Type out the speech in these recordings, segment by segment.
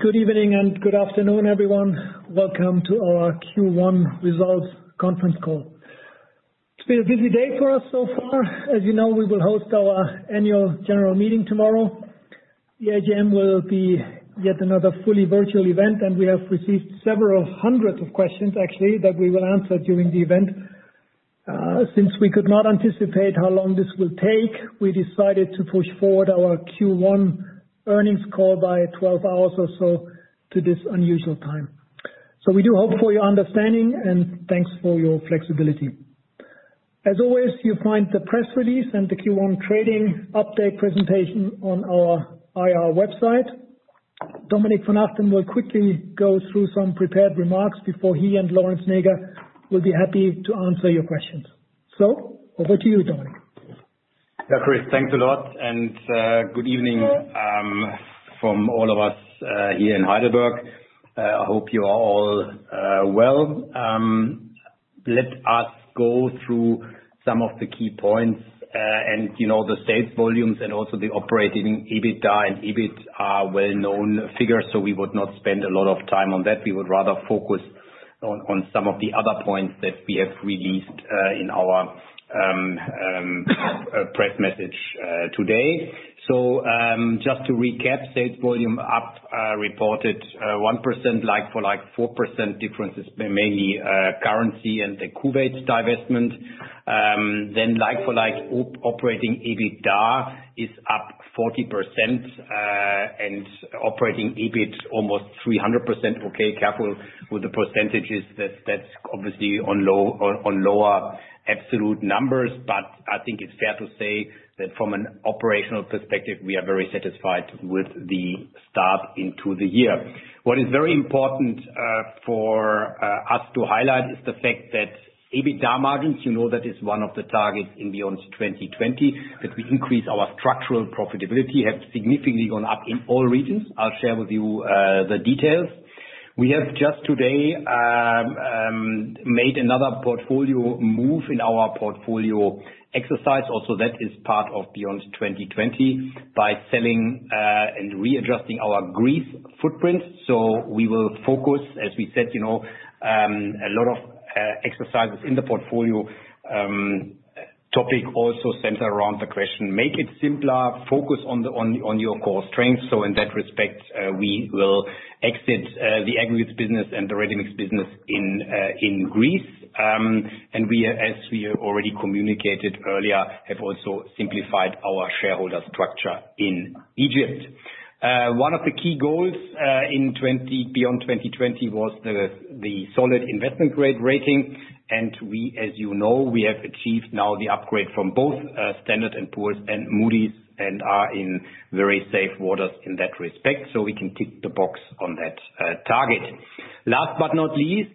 Good evening and good afternoon, everyone. Welcome to our Q1 results conference call. It's been a busy day for us so far. As you know, we will host our annual general meeting tomorrow. The AGM will be yet another fully virtual event, and we have received several hundred of questions actually, that we will answer during the event. Since we could not anticipate how long this will take, we decided to push forward our Q1 earnings call by 12 hours or so to this unusual time. We do hope for your understanding, and thanks for your flexibility. As always, you'll find the press release and the Q1 trading update presentation on our IR website. Dominik von Achten will quickly go through some prepared remarks before he and Lorenz Näger will be happy to answer your questions. Over to you, Dominik. Yeah, Chris, thanks a lot, and good evening from all of us here in Heidelberg. I hope you are all well. Let us go through some of the key points. the sales volumes and also the operating EBITDA and EBIT are well-known figures, so we would not spend a lot of time on that. We would rather focus on some of the other points that we have released in our press message today. Just to recap, sales volume up reported 1%, like-for-like 4% differences, mainly currency and the Kuwait divestment. like-for-like operating EBITDA is up 40%, and operating EBIT almost 300%. Okay, careful with the percentages, that's obviously on lower absolute numbers, but I think it's fair to say that from an operational perspective, we are very satisfied with the start into the year. What is very important for us to highlight is the fact that EBITDA margins, you know that is one of the targets in Beyond 2020, that we increase our structural profitability, have significantly gone up in all regions. I will share with you the details. We have just today made another portfolio move in our portfolio exercise, also that is part of Beyond 2020, by selling and readjusting our Greece footprint. We will focus, as we said, a lot of exercises in the portfolio topic also center around the question, make it simpler, focus on your core strengths. In that respect, we will exit the aggregates business and the ready-mix business in Greece. As we have already communicated earlier, have also simplified our shareholder structure in Egypt. One of the key goals in Beyond 2020 was the solid investment-grade rating. As you know, we have achieved now the upgrade from both Standard & Poor's and Moody's and are in very safe waters in that respect, we can tick the box on that target. Last but not least,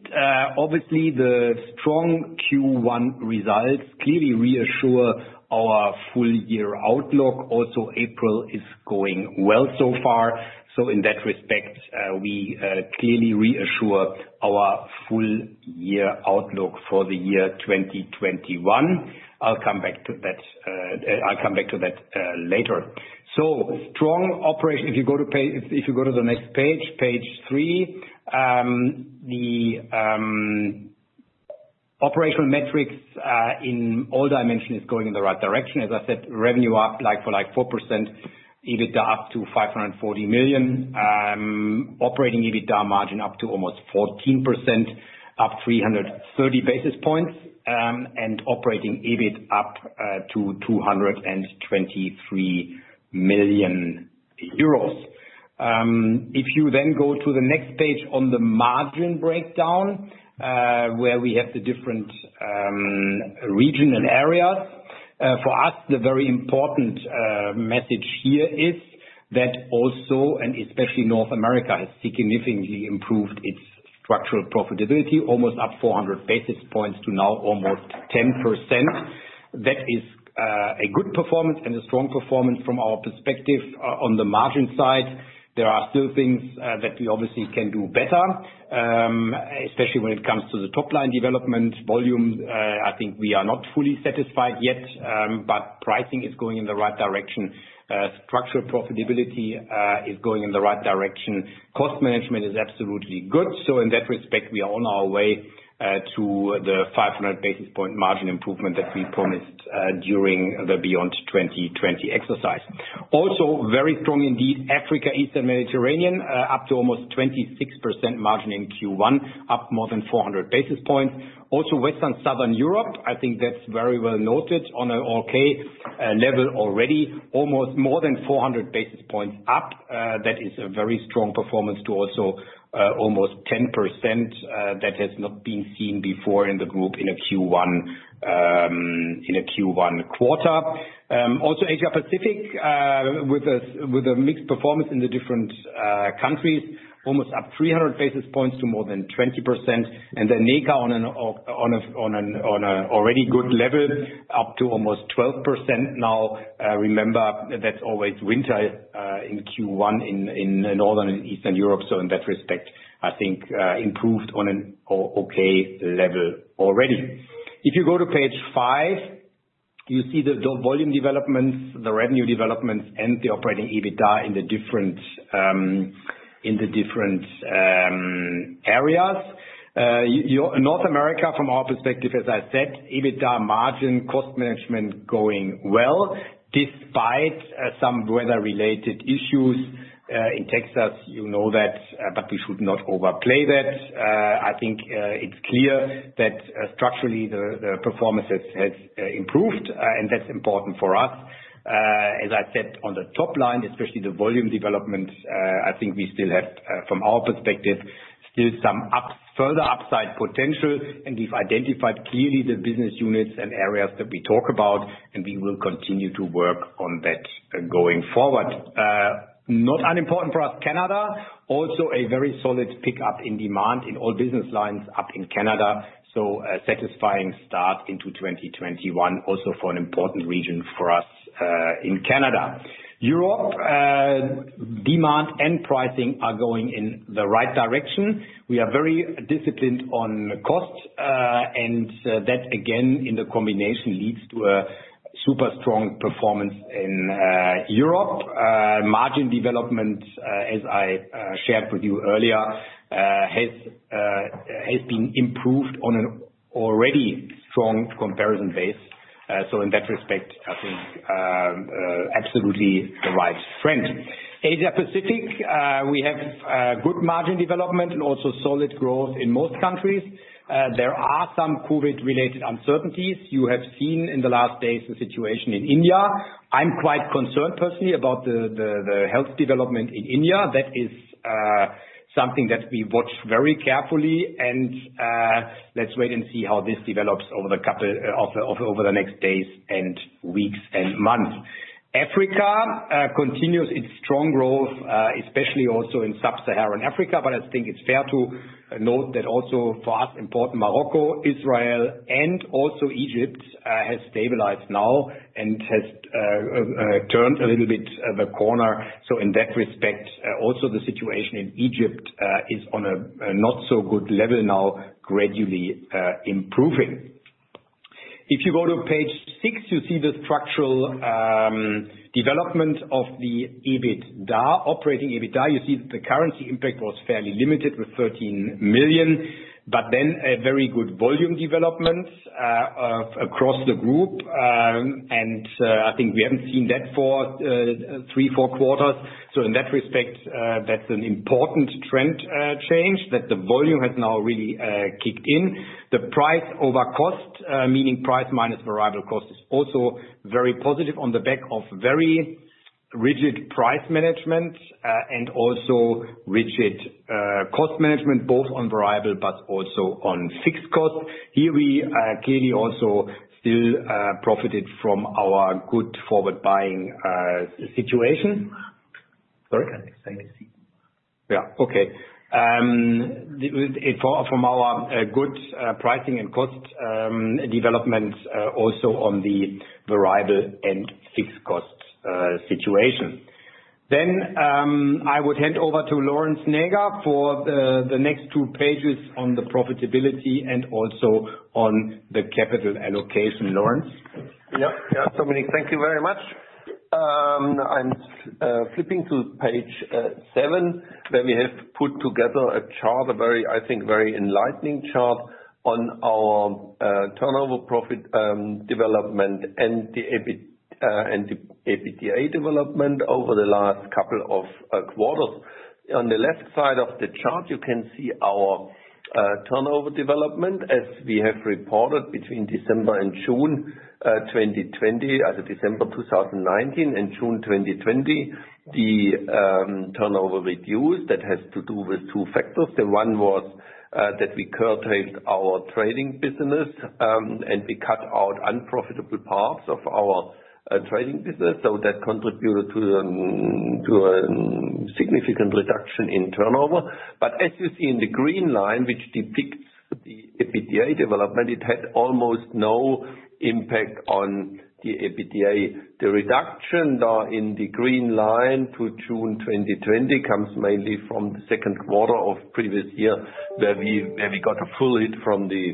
obviously the strong Q1 results clearly reassure our full year outlook. April is going well so far so, in that respect, we clearly reassure our full year outlook for the year 2021. I will come back to that later. Strong operation. If you go to the next page three. The operational metrics in all dimensions going in the right direction. As I said, revenue up like-for-like 4%, EBITDA up to 540 million. Operating EBITDA margin up to almost 14%, up 330 basis points, and operating EBIT up to 223 million euros. If you then go to the next page on the margin breakdown, where we have the different regional areas. For us, the very important message here is that also, and especially North America, has significantly improved its structural profitability, almost up 400 basis points to now almost 10%. That is a good performance and a strong performance from our perspective on the margin side. There are still things that we obviously can do better, especially when it comes to the top-line development volume. I think we are not fully satisfied yet. Pricing is going in the right direction. Structural profitability is going in the right direction. Cost management is absolutely good. In that respect, we are on our way to the 500 basis point margin improvement that we promised during the Beyond 2020 exercise. Also very strong indeed, Africa, Eastern Mediterranean, up to almost 26% margin in Q1, up more than 400 basis points. West and Southern Europe, I think that's very well noted on an okay level already, almost more than 400 basis points up. That is a very strong performance to also almost 10%. That has not been seen before in the group in a Q1 quarter. Asia Pacific, with a mixed performance in the different countries, almost up 300 basis points to more than 20%. NECA on an already good level, up to almost 12%. Now, remember that's always winter in Q1 in Northern and Eastern Europe, so in that respect, I think improved on an okay level already. If you go to page five. You see those volume developments, the revenue developments, and the operating EBITDA in the different areas. North America, from our perspective, as I said, EBITDA margin cost management going well, despite some weather-related issues, in Texas, you know that, but we should not overplay that. I think it's clear that structurally, the performances has improved, and that's important for us. As I said, on the top line, especially the volume development, I think we still have, from our perspective, still some further upside potential, and we've identified clearly the business units and areas that we talk about, and we will continue to work on that going forward. Not unimportant for us, Canada, also a very solid pickup in demand in all business lines up in Canada. A satisfying start into 2021, also for an important region for us, in Canada. Europe, demand and pricing are going in the right direction. We are very disciplined on costs. That, again, in the combination, leads to a super strong performance in Europe. Margin development, as I shared with you earlier, has been improved on an already strong comparison base. In that respect, I think absolutely the right trend. Asia Pacific, we have good margin development and also solid growth in most countries. There are some COVID-related uncertainties. You have seen in the last days the situation in India. I'm quite concerned personally about the health development in India. That is something that we watch very carefully and let's wait and see how this develops over the next days and weeks and months. Africa continues its strong growth, especially also in Sub-Saharan Africa. I think it's fair to note that also for us, important Morocco, Israel, and also Egypt has stabilized now and has turned a little bit of a corner. In that respect, also the situation in Egypt is on a not so good level now, gradually improving. If you go to page six, you see the structural development of the EBITDA, operating EBITDA. You see that the currency impact was fairly limited with 13 million, a very good volume development across the group. I think we haven't seen that for three, four quarters. In that respect, that's an important trend change that the volume has now really kicked in. The price over cost, meaning price minus variable cost, is also very positive on the back of very rigid price management, and also rigid cost management, both on variable but also on fixed cost. Here we clearly also still profited from our good forward buying situation. Sorry? Yeah. Okay. From our good pricing and cost development, also on the variable and fixed cost situation. I would hand over to Lorenz Näger for the next two pages on the profitability and also on the capital allocation. Lorenz? Yeah. Dominik, thank you very much. I'm flipping to page seven, where we have put together a chart, I think very enlightening chart on our turnover profit development and the EBITDA development over the last couple of quarters. On the left side of the chart, you can see our turnover development. As we have reported between December and June 2020, December 2019 and June 2020. The turnover reduced. That has to do with two factors. The one was that we curtailed our trading business, and we cut out unprofitable parts of our trading business. That contributed to a significant reduction in turnover. As you see in the green line, which depicts the EBITDA development, it had almost no impact on the EBITDA. The reduction, though, in the green line to June 2020 comes mainly from the second quarter of previous year, where we got a full hit from the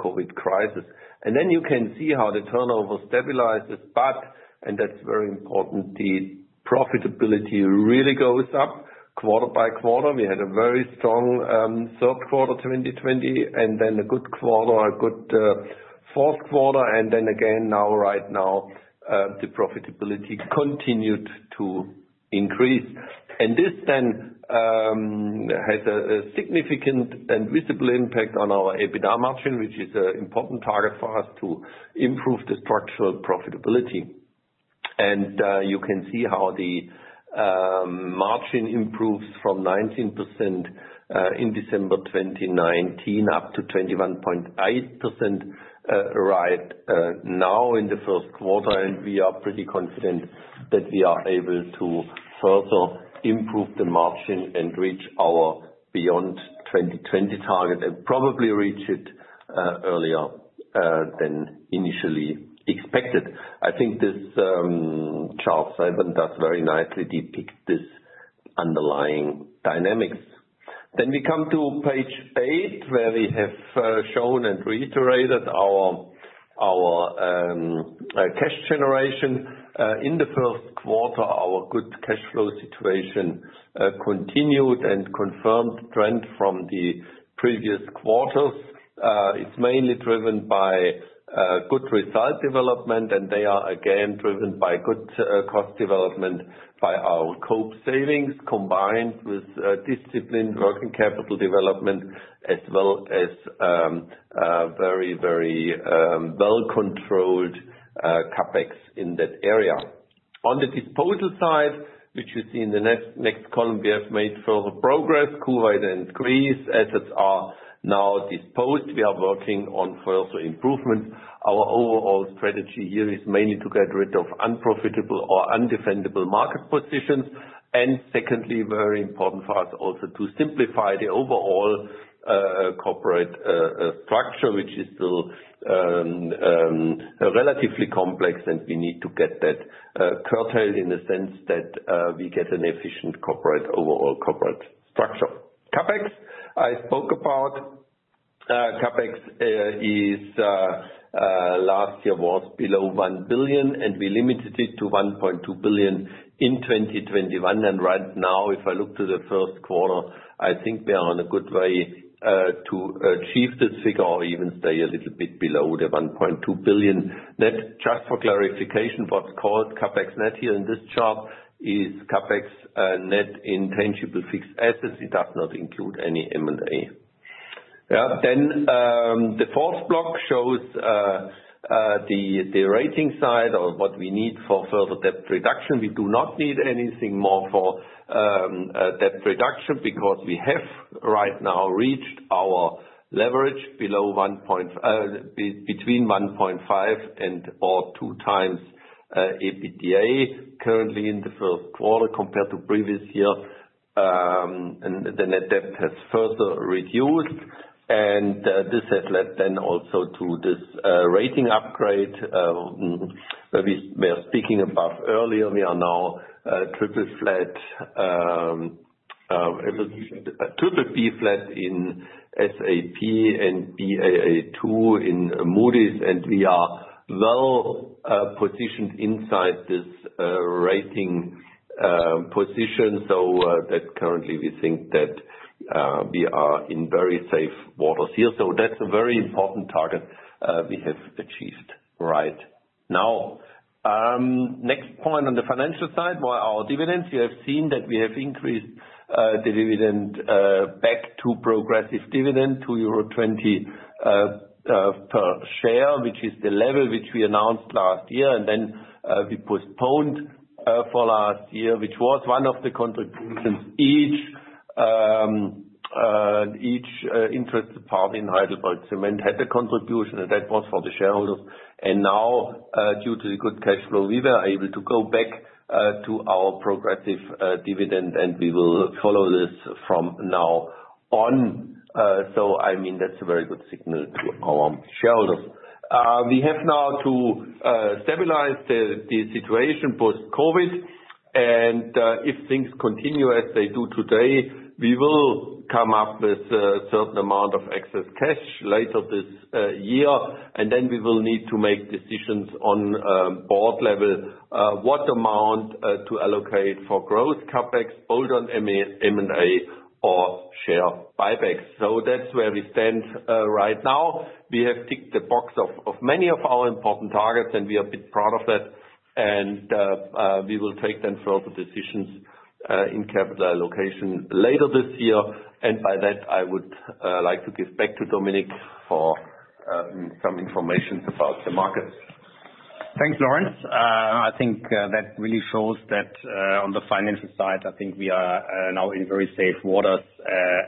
COVID crisis. You can see how the turnover stabilizes. That's very important, the profitability really goes up quarter by quarter. We had a very strong third quarter 2020 and then a good fourth quarter. Right now, the profitability continued to increase. This has a significant and visible impact on our EBITDA margin, which is an important target for us to improve the structural profitability. You can see how the margin improves from 19% in December 2019 up to 21.8% right now in the first quarter. We are pretty confident that we are able to further improve the margin and reach our Beyond 2020 target and probably reach it earlier than initially expected. I think this chart seven does very nicely depict this underlying dynamics. We come to page eight, where we have shown and reiterated our cash generation. In the first quarter, our good cash flow situation continued and confirmed trend from the previous quarters. It's mainly driven by good result development, and they are again driven by good cost development by our scope savings, combined with disciplined working capital development, as well as very well-controlled CapEx in that area. On the disposal side, which you see in the next column, we have made further progress. Kuwait and Greece assets are now disposed. We are working on further improvement. Our overall strategy here is mainly to get rid of unprofitable or undefendable market positions. Secondly, very important for us also to simplify the overall corporate structure, which is still relatively complex, and we need to get that curtailed in the sense that we get an efficient overall corporate structure. CapEx, I spoke about. CapEx last year was below 1 billion, and we limited it to 1.2 billion in 2021. Right now, if I look to the first quarter, I think we are on a good way to achieve this figure or even stay a little bit below the 1.2 billion. Just for clarification, what's called CapEx net here in this chart is CapEx net in tangible fixed assets. It does not include any M&A. The fourth block shows the rating side of what we need for further debt reduction. We do not need anything more for debt reduction because we have right now reached our leverage between 1.5 and/or two times EBITDA currently in the first quarter compared to previous year. The net debt has further reduced, and this has led then also to this rating upgrade that we were speaking about earlier. We are now BBB flat in S&P and Baa2 in Moody's, and we are well positioned inside this rating position. Currently we think that we are in very safe waters here. That's a very important target we have achieved right now. Next point on the financial side, our dividends. You have seen that we have increased dividend back to progressive dividend, 2.20 euro per share, which is the level which we announced last year, and then we postponed for last year, which was one of the contributions. Each interested party in Heidelberg Materials had a contribution, that was for the shareholders. Now, due to the good cash flow, we were able to go back to our progressive dividend, we will follow this from now on. That's a very good signal to our shareholders. We have now to stabilize the situation post-COVID, if things continue as they do today, we will come up with a certain amount of excess cash later this year, we will need to make decisions on board level, what amount to allocate for growth CapEx, bolt-on M&A or share buybacks. That's where we stand right now. We have ticked the box of many of our important targets, we are a bit proud of that. We will take further decisions in capital allocation later this year. By that, I would like to give back to Dominik for some information about the markets. Thanks, Lorenz. I think that really shows that on the financial side, I think we are now in very safe waters,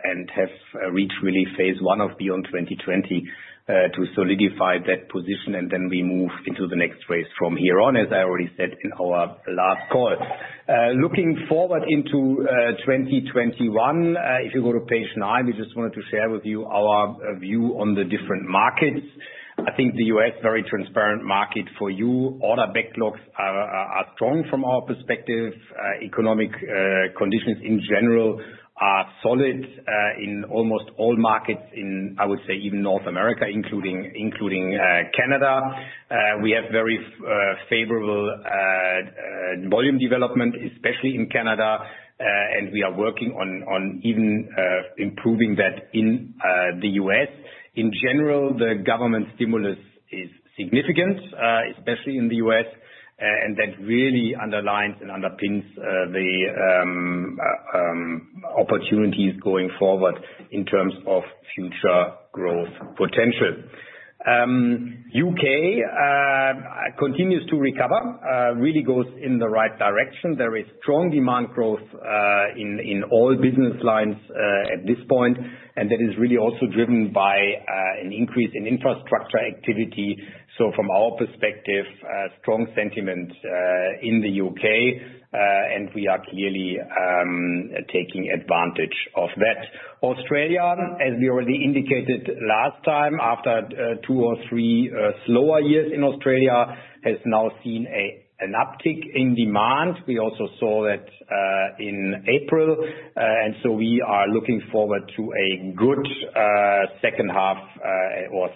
and have reached phase one of Beyond 2020 to solidify that position, and then we move into the next phase from here on, as I already said in our last call. Looking forward into 2021, if you go to page nine, we just wanted to share with you our view on the different markets. I think the U.S., very transparent market for you. Order backlogs are strong from our perspective. Economic conditions in general are solid in almost all markets in, I would say even North America, including Canada. We have very favorable volume development, especially in Canada, and we are working on even improving that in the U.S. In general, the government stimulus is significant, especially in the U.S., and that really underlines and underpins the opportunities going forward in terms of future growth potential. U.K. continues to recover, really goes in the right direction. There is strong demand growth in all business lines at this point, and that is really also driven by an increase in infrastructure activity. From our perspective, strong sentiment in the U.K., and we are clearly taking advantage of that. Australia, as we already indicated last time, after two or three slower years in Australia, has now seen an uptick in demand. We also saw that in April. We are looking forward to a good second half or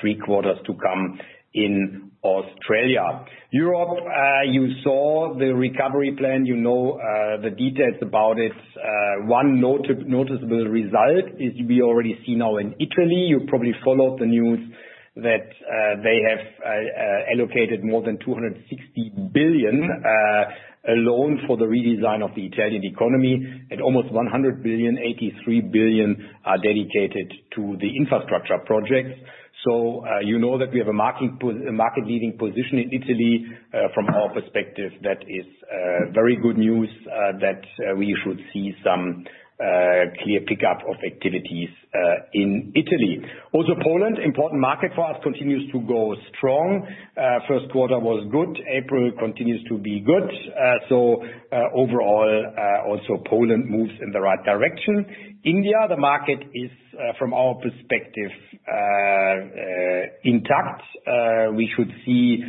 three quarters to come in Australia. Europe, you saw the recovery plan, you know the details about it. One noticeable result is we already see now in Italy, you probably followed the news that they have allocated more than 260 billion alone for the redesign of the Italian economy, and almost 100 billion, 83 billion are dedicated to the infrastructure projects. You know that we have a market-leading position in Italy. From our perspective, that is very good news that we should see some clear pickup of activities in Italy. Also Poland, important market for us, continues to go strong. First quarter was good, April continues to be good. Overall, also Poland moves in the right direction. India, the market is, from our perspective, intact. We should see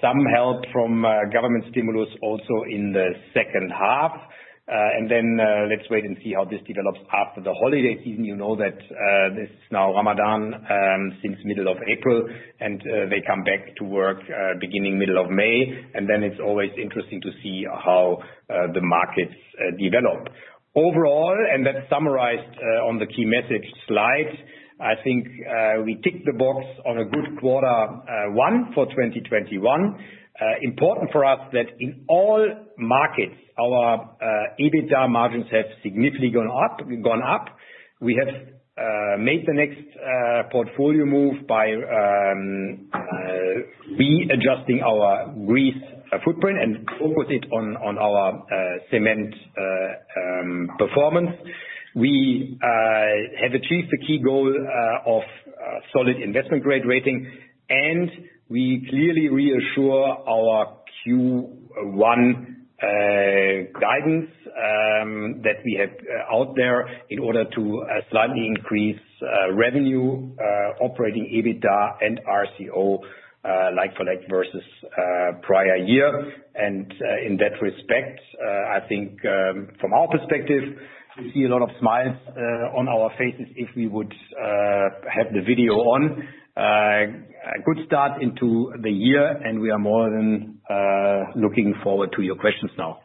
some help from government stimulus also in the second half. Let's wait and see how this develops after the holiday season. You know that this is now Ramadan since middle of April, and they come back to work beginning middle of May, and then it's always interesting to see how the markets develop. Overall, and that's summarized on the key message slides, I think we tick the box on a good quarter one for 2021. Important for us that in all markets, our EBITDA margins have significantly gone up. We have made the next portfolio move by readjusting our Greece footprint and focus it on our cement performance. We have achieved the key goal of solid investment-grade rating, and we clearly reassure our Q1 guidance that we have out there in order to slightly increase revenue, operating EBITDA, and RCO like-for-like versus prior year. In that respect, I think from our perspective, you see a lot of smiles on our faces if we would have the video on. A good start into the year, and we are more than looking forward to your questions now.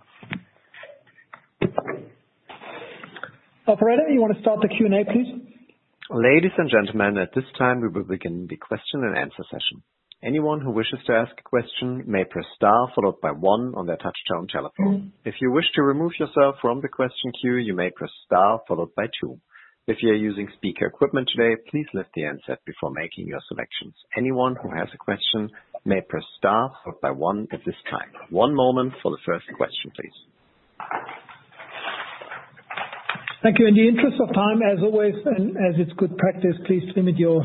Operator, you want to start the Q&A, please? Ladies and gentlemen, at this time, we will begin the question and answer session. Anyone who wishes to ask a question may press star followed by one on their touch-tone telephone. If you wish to remove yourself from the question queue, you may press star followed by two. If you are using speaker equipment today, please lift the handset before making your selections. Anyone who has a question may press star followed by one at this time. One moment for the first question, please. Thank you. In the interest of time, as always, and as it's good practice, please limit your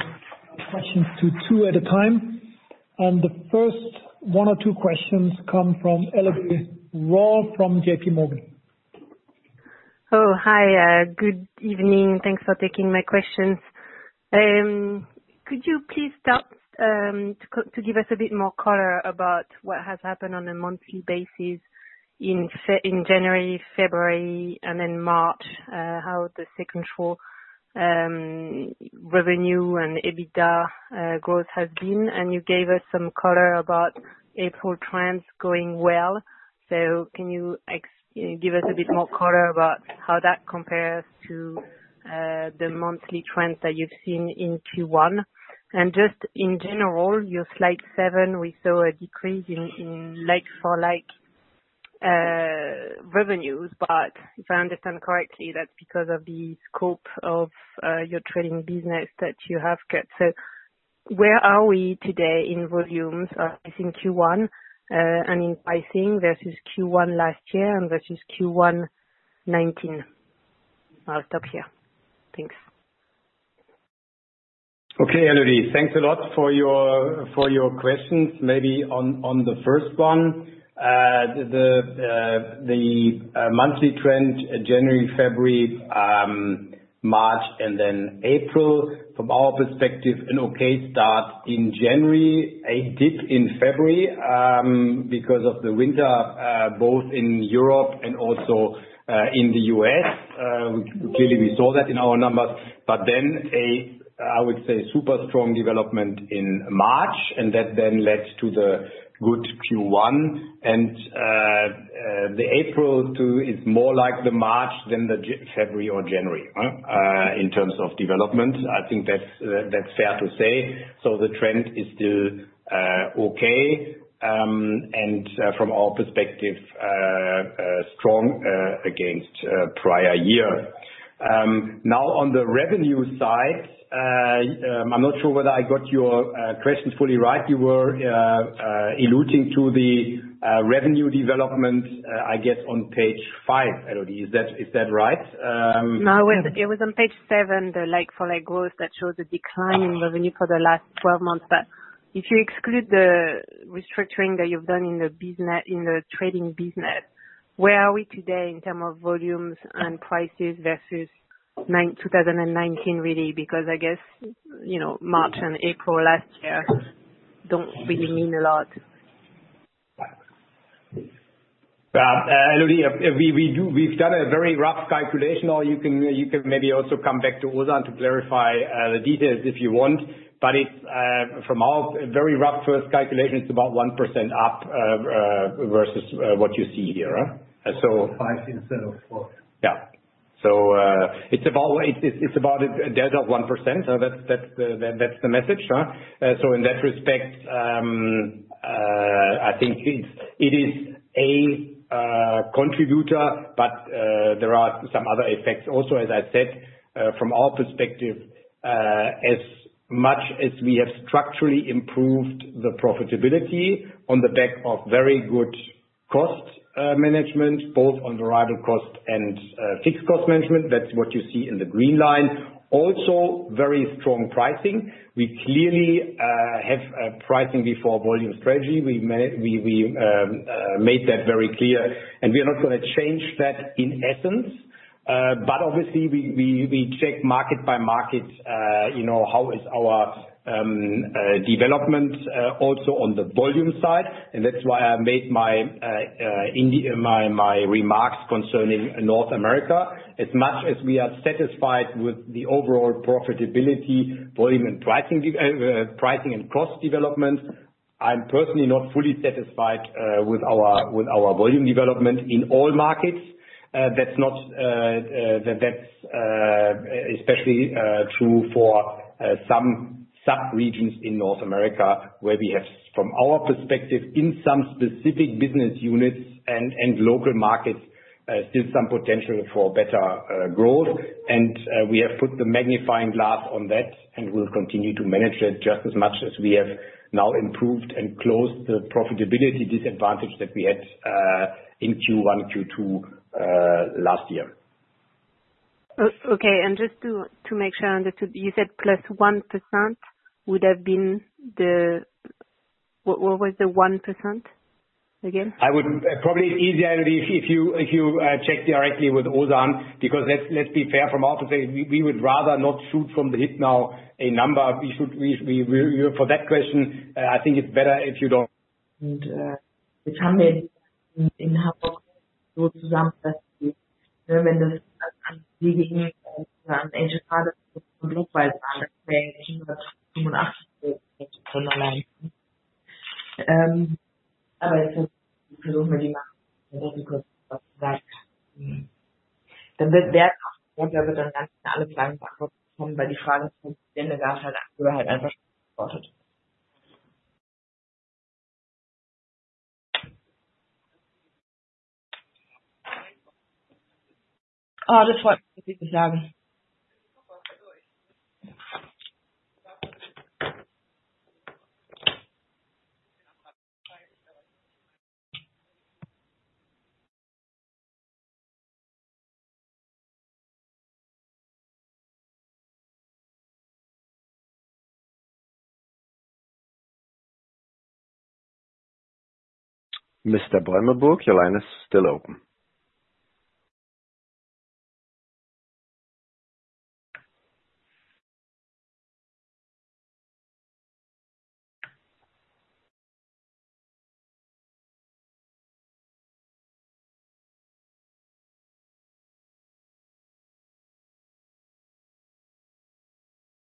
questions to two at a time. The first one or two questions come from Elodie Rall from J.P. Morgan. Oh, hi. Good evening. Thanks for taking my questions. Could you please start to give us a bit more color about what has happened on a monthly basis in January, February, and then March, how the second quarter revenue and EBITDA growth have been? You gave us some color about April trends going well, so can you give us a bit more color about how that compares to the monthly trends that you've seen in Q1? Just in general, your slide seven, we saw a decrease in like-for-like revenues. If I understand correctly, that's because of the scope of your trading business that you have kept. Where are we today in volumes versus Q1, and in pricing versus Q1 last year and versus Q1 2019? I'll stop here. Thanks. Okay, Elodie. Thanks a lot for your questions. Maybe on the first one, the monthly trend, January, February, March, and then April, from our perspective, an okay start in January, a dip in February because of the winter both in Europe and also in the U.S. Clearly we saw that in our numbers. I would say super strong development in March, and that then led to the good Q1. The April too is more like the March than the February or January in terms of development. I think that's fair to say. The trend is still okay, and from our perspective, strong against prior year. Now on the revenue side, I'm not sure whether I got your question fully right. You were alluding to the revenue development, I guess, on page five, Elodie. Is that right? No, it was on page seven, the like-for-like growth that shows a decline in revenue for the last 12 months. if you exclude the restructuring that you've done in the trading business, where are we today in terms of volumes and prices versus 2019, really? Because I guess March and April last year don't really mean a lot. Elodie, we've done a very rough calculation, or you can maybe also come back to Ozan to clarify the details if you want. From our very rough first calculation, it's about 1% up versus what you see here. Five instead of four. Yeah. It's about a delta of 1%. That's the message. In that respect, I think it is a contributor, but there are some other effects also. As I said, from our perspective, as much as we have structurally improved the profitability on the back of very good cost management, both on variable cost and fixed cost management, that's what you see in the green line. Also, very strong pricing. We clearly have a pricing before volume strategy. We made that very clear, and we are not going to change that in essence. Obviously, we check market by market, how is our development also on the volume side, and that's why I made my remarks concerning North America. As much as we are satisfied with the overall profitability, volume and pricing, and cost development, I'm personally not fully satisfied with our volume development in all markets. That's especially true for some sub-regions in North America, where we have, from our perspective, in some specific business units and local markets, still some potential for better growth. we have put the magnifying glass on that, and we'll continue to manage it just as much as we have now improved and closed the profitability disadvantage that we had in Q1, Q2 last year. Okay. just to make sure, I understood, What was the 1% again? It's probably easier, Elodie, if you check directly with Ozan, because let's be fair from our side, we would rather not shoot from the hip now a number. For that question, I think it's better if you don't. Mr. Beumelburg, your line is still open.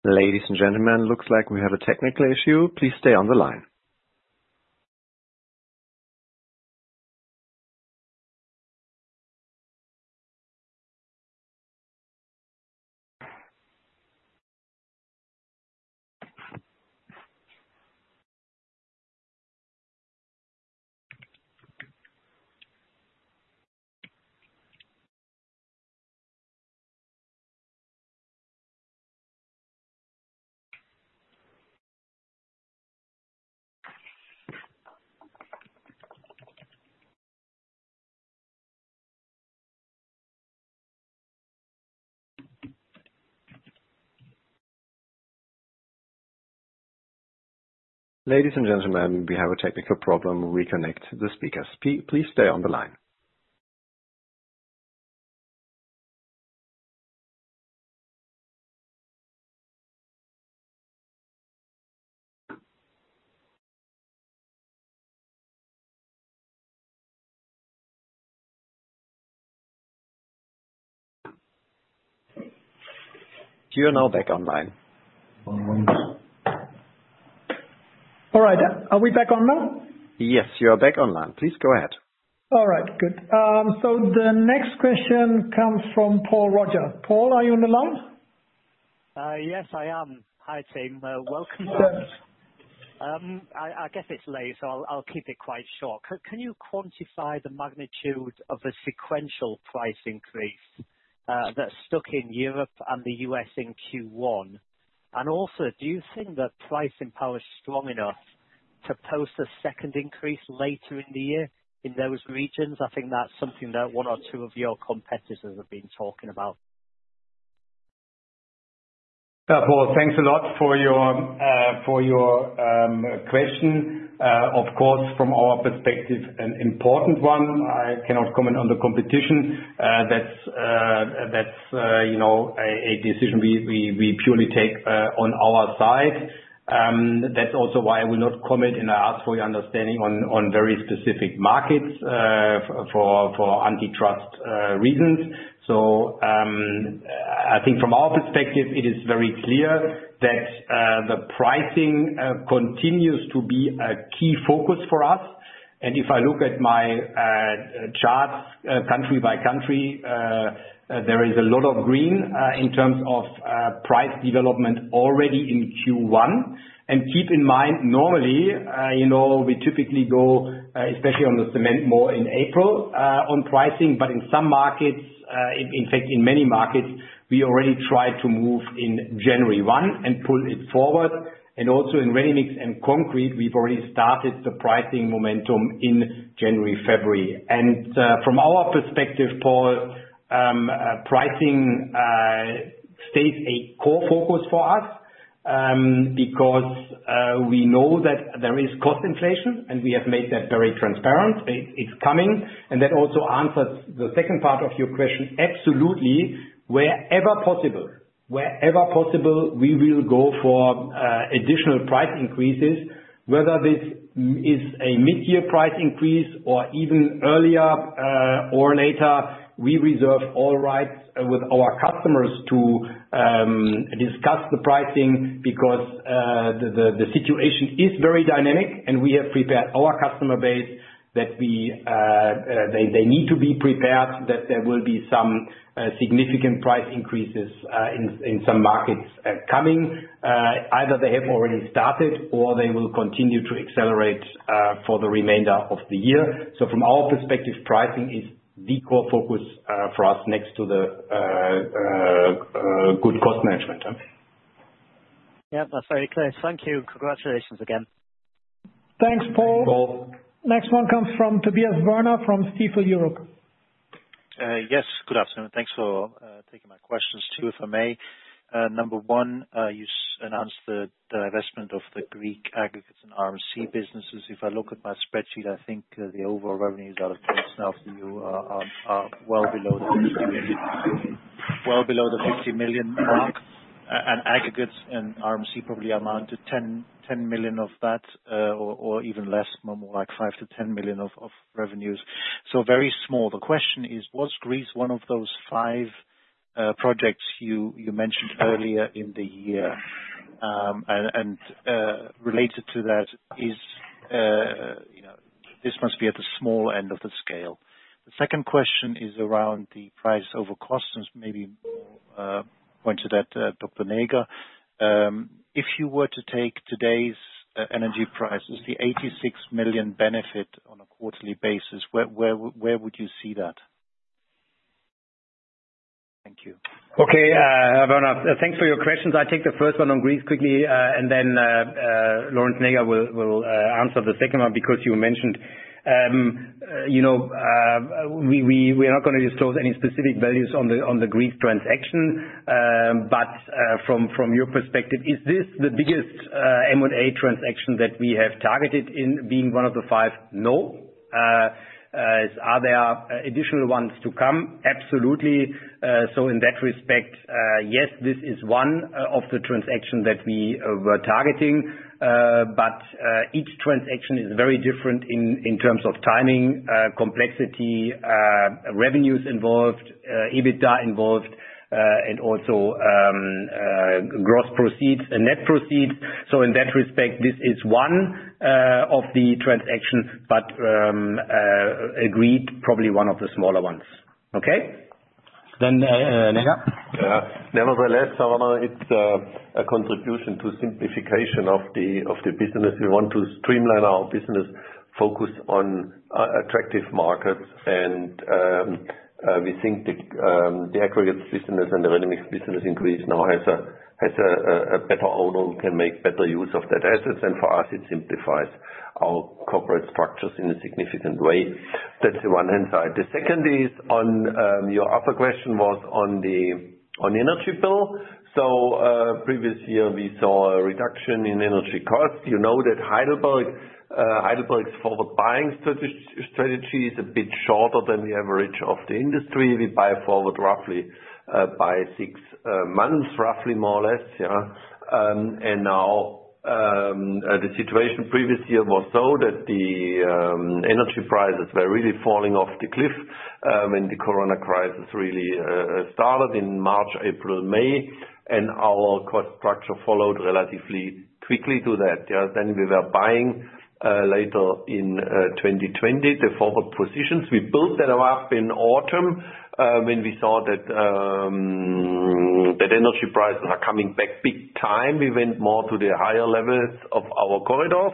Ladies and gentlemen, looks like we have a technical issue. Please stay on the line. Ladies and gentlemen, we have a technical problem. We connect the speakers. Please stay on the line. You are now back online. All right. Are we back on now? Yes, you are back online. Please go ahead. All right, good. The next question comes from Paul Roger. Paul, are you on the line? Yes, I am. Hi, team. Welcome. I guess it's late, so I'll keep it quite short. Can you quantify the magnitude of the sequential price increase that stuck in Europe and the U.S. in Q1? Also, do you think that pricing power is strong enough to post a second increase later in the year in those regions? I think that's something that one or two of your competitors have been talking about. Paul, thanks a lot for your question. Of course, from our perspective, an important one. I cannot comment on the competition. That's a decision we purely take on our side. That's also why I will not comment, and I ask for your understanding on very specific markets for antitrust reasons. I think from our perspective, it is very clear that the pricing continues to be a key focus for us. If I look at my charts country by country, there is a lot of green in terms of price development already in Q1. Keep in mind, normally, we typically go, especially on the cement more in April on pricing, but in some markets, in fact, in many markets, we already try to move in January 1 and pull it forward. Also in ready-mix and concrete, we've already started the pricing momentum in January, February. From our perspective, Paul, pricing stays a core focus for us, because we know that there is cost inflation, and we have made that very transparent. It's coming, and that also answers the second part of your question. Absolutely, wherever possible, we will go for additional price increases. Whether this is a mid-year price increase or even earlier or later, we reserve all rights with our customers to discuss the pricing because the situation is very dynamic, and we have prepared our customer base that they need to be prepared, that there will be some significant price increases in some markets coming. Either they have already started, or they will continue to accelerate for the remainder of the year. From our perspective, pricing is the core focus for us next to the good cost management. Yeah, that's very clear. Thank you. Congratulations again. Thanks, Paul. Next one comes from Tobias Werner from Stifel Europe. Yes, good afternoon. Thanks for taking my questions too, if I may. Number one, you announced the divestment of the Greek aggregates and RMC businesses. If I look at my spreadsheet, I think the overall revenues out of are well below the 50 million marks, and aggregates and RMC probably amount to 10 million of that or even less, more like five to 10 million of revenues. Very small. The question is, was Greece one of those five projects you mentioned earlier in the year? Related to that is, this must be at the small end of the scale. The second question is around the price over costs, maybe pointed at Lorenz Näger. If you were to take today's energy prices, the 86 million benefit on a quarterly basis, where would you see that? Thank you. Okay, Werner, thanks for your questions. I'll take the first one on Greece quickly, and then Lorenz Näger will answer the second one because you mentioned. We're not going to disclose any specific values on the Greek transaction. From your perspective, is this the biggest M&A transaction that we have targeted in being one of the five? No. Are there additional ones to come? Absolutely. In that respect, yes, this is one of the transactions that we were targeting. Each transaction is very different in terms of timing, complexity, revenues involved, EBITDA involved, and also gross proceeds and net proceeds. In that respect, this is one of the transactions, but agreed, probably one of the smaller ones. Okay? Nevertheless, Werner, it's a contribution to simplification of the business. We want to streamline our business, focus on attractive markets, and we think the aggregates business and the ready-mix business increase now has a better owner who can make better use of that assets, and for us, it simplifies our corporate structures in a significant way. That's the one hand side. The second is on your other question was on the energy bill. Previous year, we saw a reduction in energy costs. You know that Heidelberg's forward buying strategy is a bit shorter than the average of the industry. We buy forward roughly by six months, roughly more or less. Yeah. Now, the situation previous year was so that the energy prices were really falling off the cliff when the Corona crisis really started in March, April, May, and our cost structure followed relatively quickly to that, yeah. We were buying later in 2020, the forward positions. We built that up in autumn when we saw that energy prices are coming back big time. We went more to the higher levels of our corridors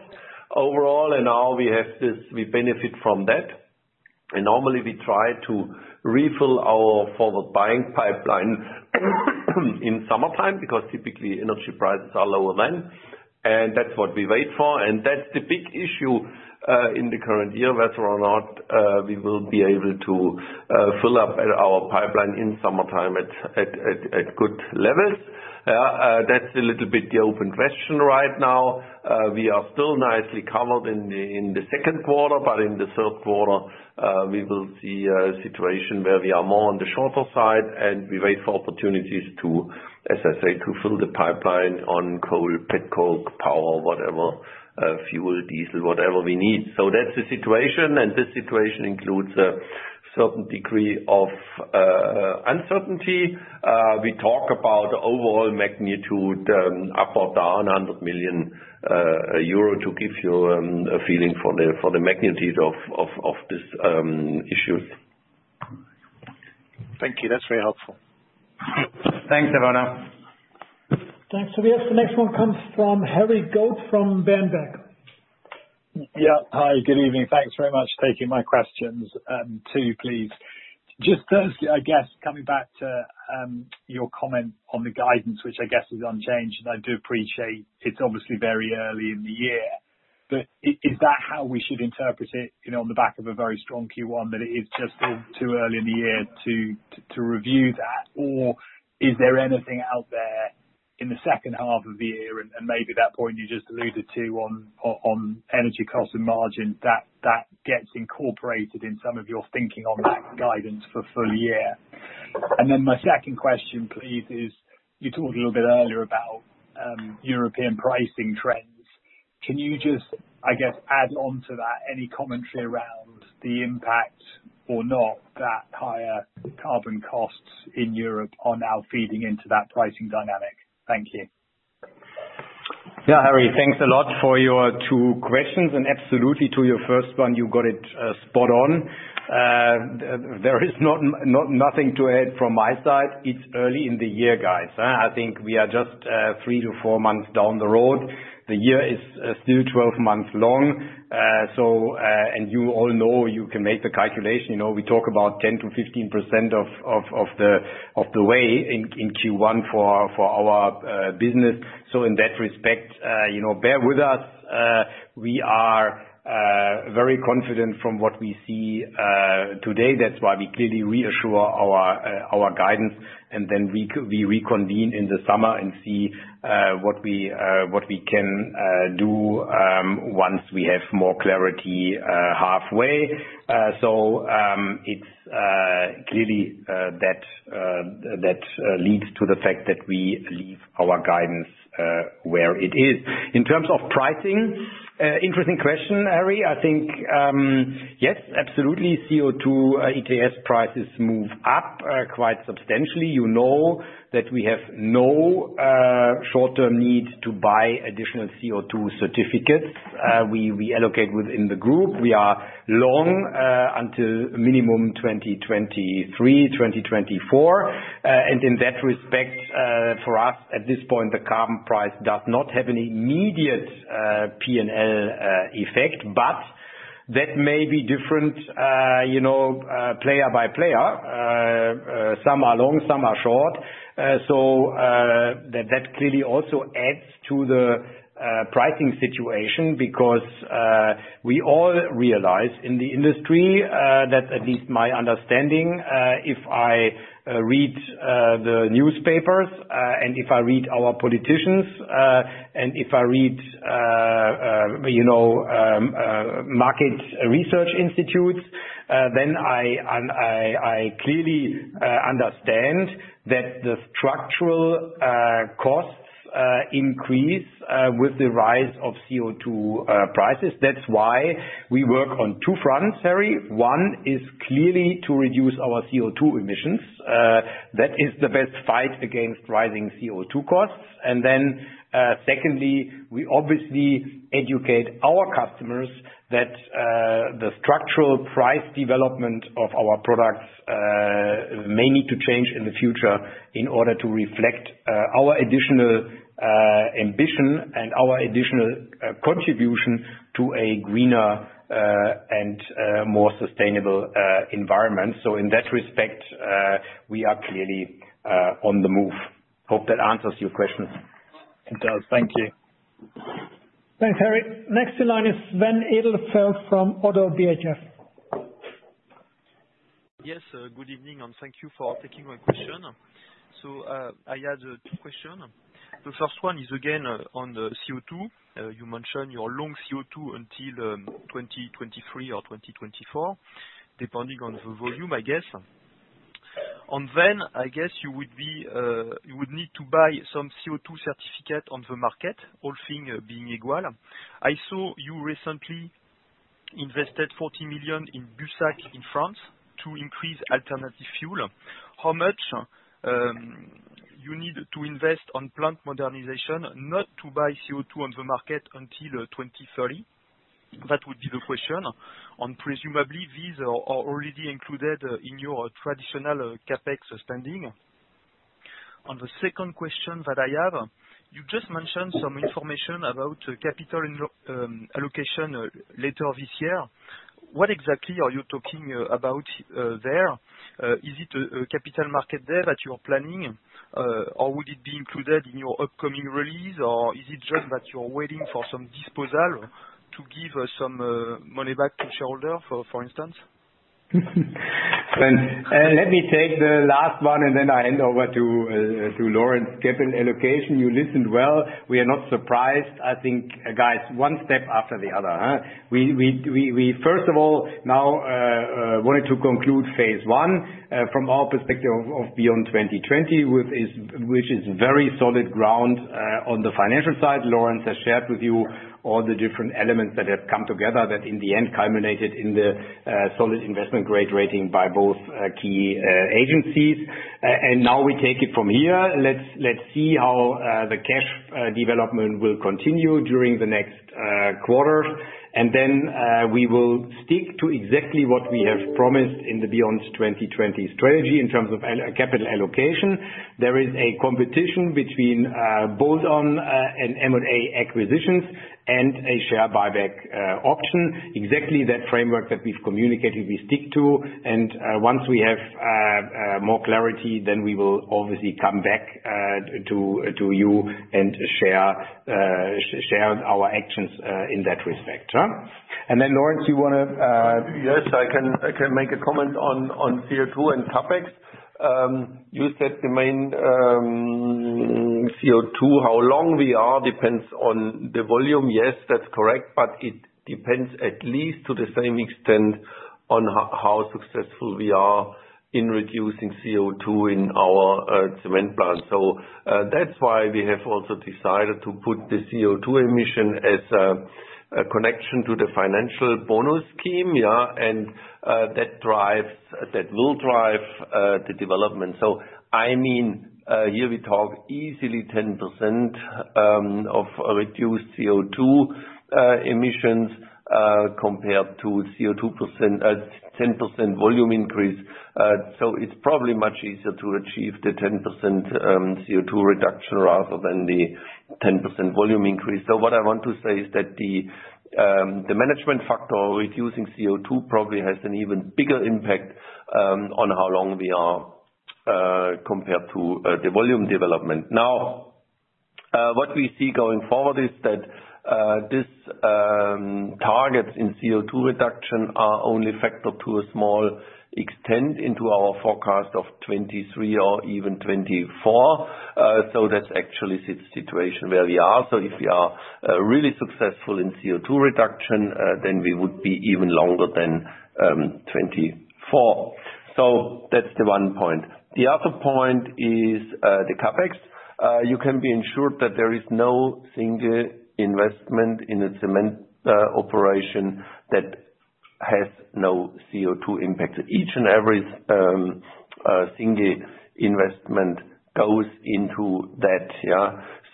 overall, and now we benefit from that. Normally we try to refill our forward buying pipeline in summertime, because typically energy prices are lower then, and that's what we wait for. That's the big issue in the current year, whether or not we will be able to fill up our pipeline in summertime at good levels. That's a little bit the open question right now. We are still nicely covered in the second quarter, but in the third quarter, we will see a situation where we are more on the shorter side and we wait for opportunities to, as I say, to fill the pipeline on coal, pet coke, power, whatever, fuel, diesel, whatever we need. That's the situation, and this situation includes a certain degree of uncertainty. We talk about overall magnitude, up or down 100 million euro to give you a feeling for the magnitude of this issue. Thank you. That's very helpful. Thanks, Werner. Thanks. Yes, the next one comes from Harry Goad from Berenberg. Yeah. Hi, good evening. Thanks very much for taking my questions. Two, please. Just firstly, I guess coming back to your comment on the guidance, which I guess is unchanged, and I do appreciate it's obviously very early in the year. is that how we should interpret it, on the back of a very strong Q1, that it is just still too early in the year to review that? is there anything out there in the second half of the year and maybe that point you just alluded to on energy cost and margin, that gets incorporated in some of your thinking on that guidance for full year? My second question please is, you talked a little bit earlier about European pricing trends. Can you just, I guess, add on to that any commentary around the impact or not that higher carbon costs in Europe are now feeding into that pricing dynamic? Thank you. Yeah, Harry. Thanks a lot for your two questions and absolutely to your first one, you got it spot on. There is nothing to add from my side. It's early in the year, guys. I think we are just three to four months down the road. The year is still 12 months long. You all know you can make the calculation. We talk about 10% to 15% of the way in Q1 for our business. In that respect, bear with us. We are very confident from what we see today. That's why we clearly reassure our guidance and then we reconvene in the summer and see what we can do once we have more clarity halfway. It's clearly that leads to the fact that we leave our guidance where it is. In terms of pricing, interesting question, Harry. I think, yes, absolutely. CO2 ETS prices move up quite substantially. You know that we have no short-term need to buy additional CO2 certificates. We allocate within the group. We are long until minimum 2023, 2024. in that respect, for us, at this point, the carbon price does not have an immediate P&L effect, but that may be different player by player. Some are long, some are short. that clearly also adds to the pricing situation because we all realize in the industry, that at least my understanding, if I read the newspapers, and if I read our politicians, and if I read market research institutes, then I clearly understand that the structural costs increase with the rise of CO2 prices. That's why we work on two fronts, Harry. One is clearly to reduce our CO2 emissions. That is the best fight against rising CO2 costs. secondly, we obviously educate our customers that the structural price development of our products may need to change in the future in order to reflect our additional ambition and our additional contribution to a greener and more sustainable environment. In that respect, we are clearly on the move. Hope that answers your questions. It does. Thank you. Thanks, Harry. Next in line is Sven Edelfelt from Oddo BHF. Yes, good evening, and thank you for taking my question. I had two question. The first one is again on the CO2. You mentioned your long CO2 until 2023 or 2024, depending on the volume, I guess. I guess you would need to buy some CO2 certificate on the market, all things being equal. I saw you recently invested 40 million in Bussac-Forêt in France to increase alternative fuel. How much you need to invest on plant modernization not to buy CO2 on the market until 2030? That would be the question. presumably these are already included in your traditional CapEx standing. On the second question that I have, you just mentioned some information about capital allocation later this year. What exactly are you talking about there? Is it a capital market there that you're planning? Would it be included in your upcoming release? Is it just that you're waiting for some disposal to give some money back to shareholders, for instance? Let me take the last one, and then I hand over to Lorenz. Capital allocation, you listened well. We are not surprised. I think, guys, one step after the other. We, first of all, now wanted to conclude phase one. From our perspective of Beyond 2020, which is very solid ground on the financial side. Lorenz has shared with you all the different elements that have come together, that in the end culminated in the solid investment grade rating by both key agencies. Now we take it from here. Let's see how the cash development will continue during the next quarters. Then we will stick to exactly what we have promised in the Beyond 2020 strategy in terms of capital allocation. There is a competition between bolt-on and M&A acquisitions and a share buyback option. Exactly that framework that we've communicated, we stick to, and once we have more clarity, then we will obviously come back to you and share our actions in that respect. Lorenz, you want to- Yes, I can make a comment on CO2 and CapEx. You said the main CO2, how long we are depends on the volume. Yes, that's correct, but it depends at least to the same extent on how successful we are in reducing CO2 in our cement plant. That's why we have also decided to put the CO2 emission as a connection to the financial bonus scheme. That will drive the development. Here we talk easily 10% of reduced CO2 emissions compared to 10% volume increase. It's probably much easier to achieve the 10% CO2 reduction rather than the 10% volume increase. What I want to say is that the management factor of reducing CO2 probably has an even bigger impact on how long we are compared to the volume development. Now, what we see going forward is that these targets in CO2 reduction are only factored to a small extent into our forecast of 2023 or even 2024. That's actually the situation where we are. If we are really successful in CO2 reduction, then we would be even longer than 2024. That's the one point. The other point is the CapEx. You can be ensured that there is no single investment in the cement operation that has no CO2 impact. Each and every single investment goes into that.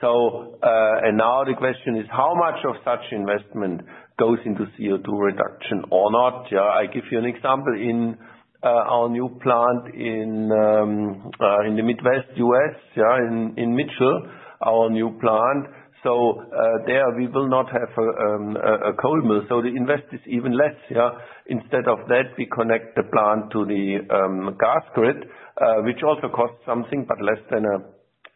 Now the question is how much of such investment goes into CO2 reduction or not? I give you an example. In our new plant in the Midwest U.S., in Mitchell. Our new plant. There we will not have a coal mill, so the invest is even less. Instead of that, we connect the plant to the gas grid, which also costs something, but less than a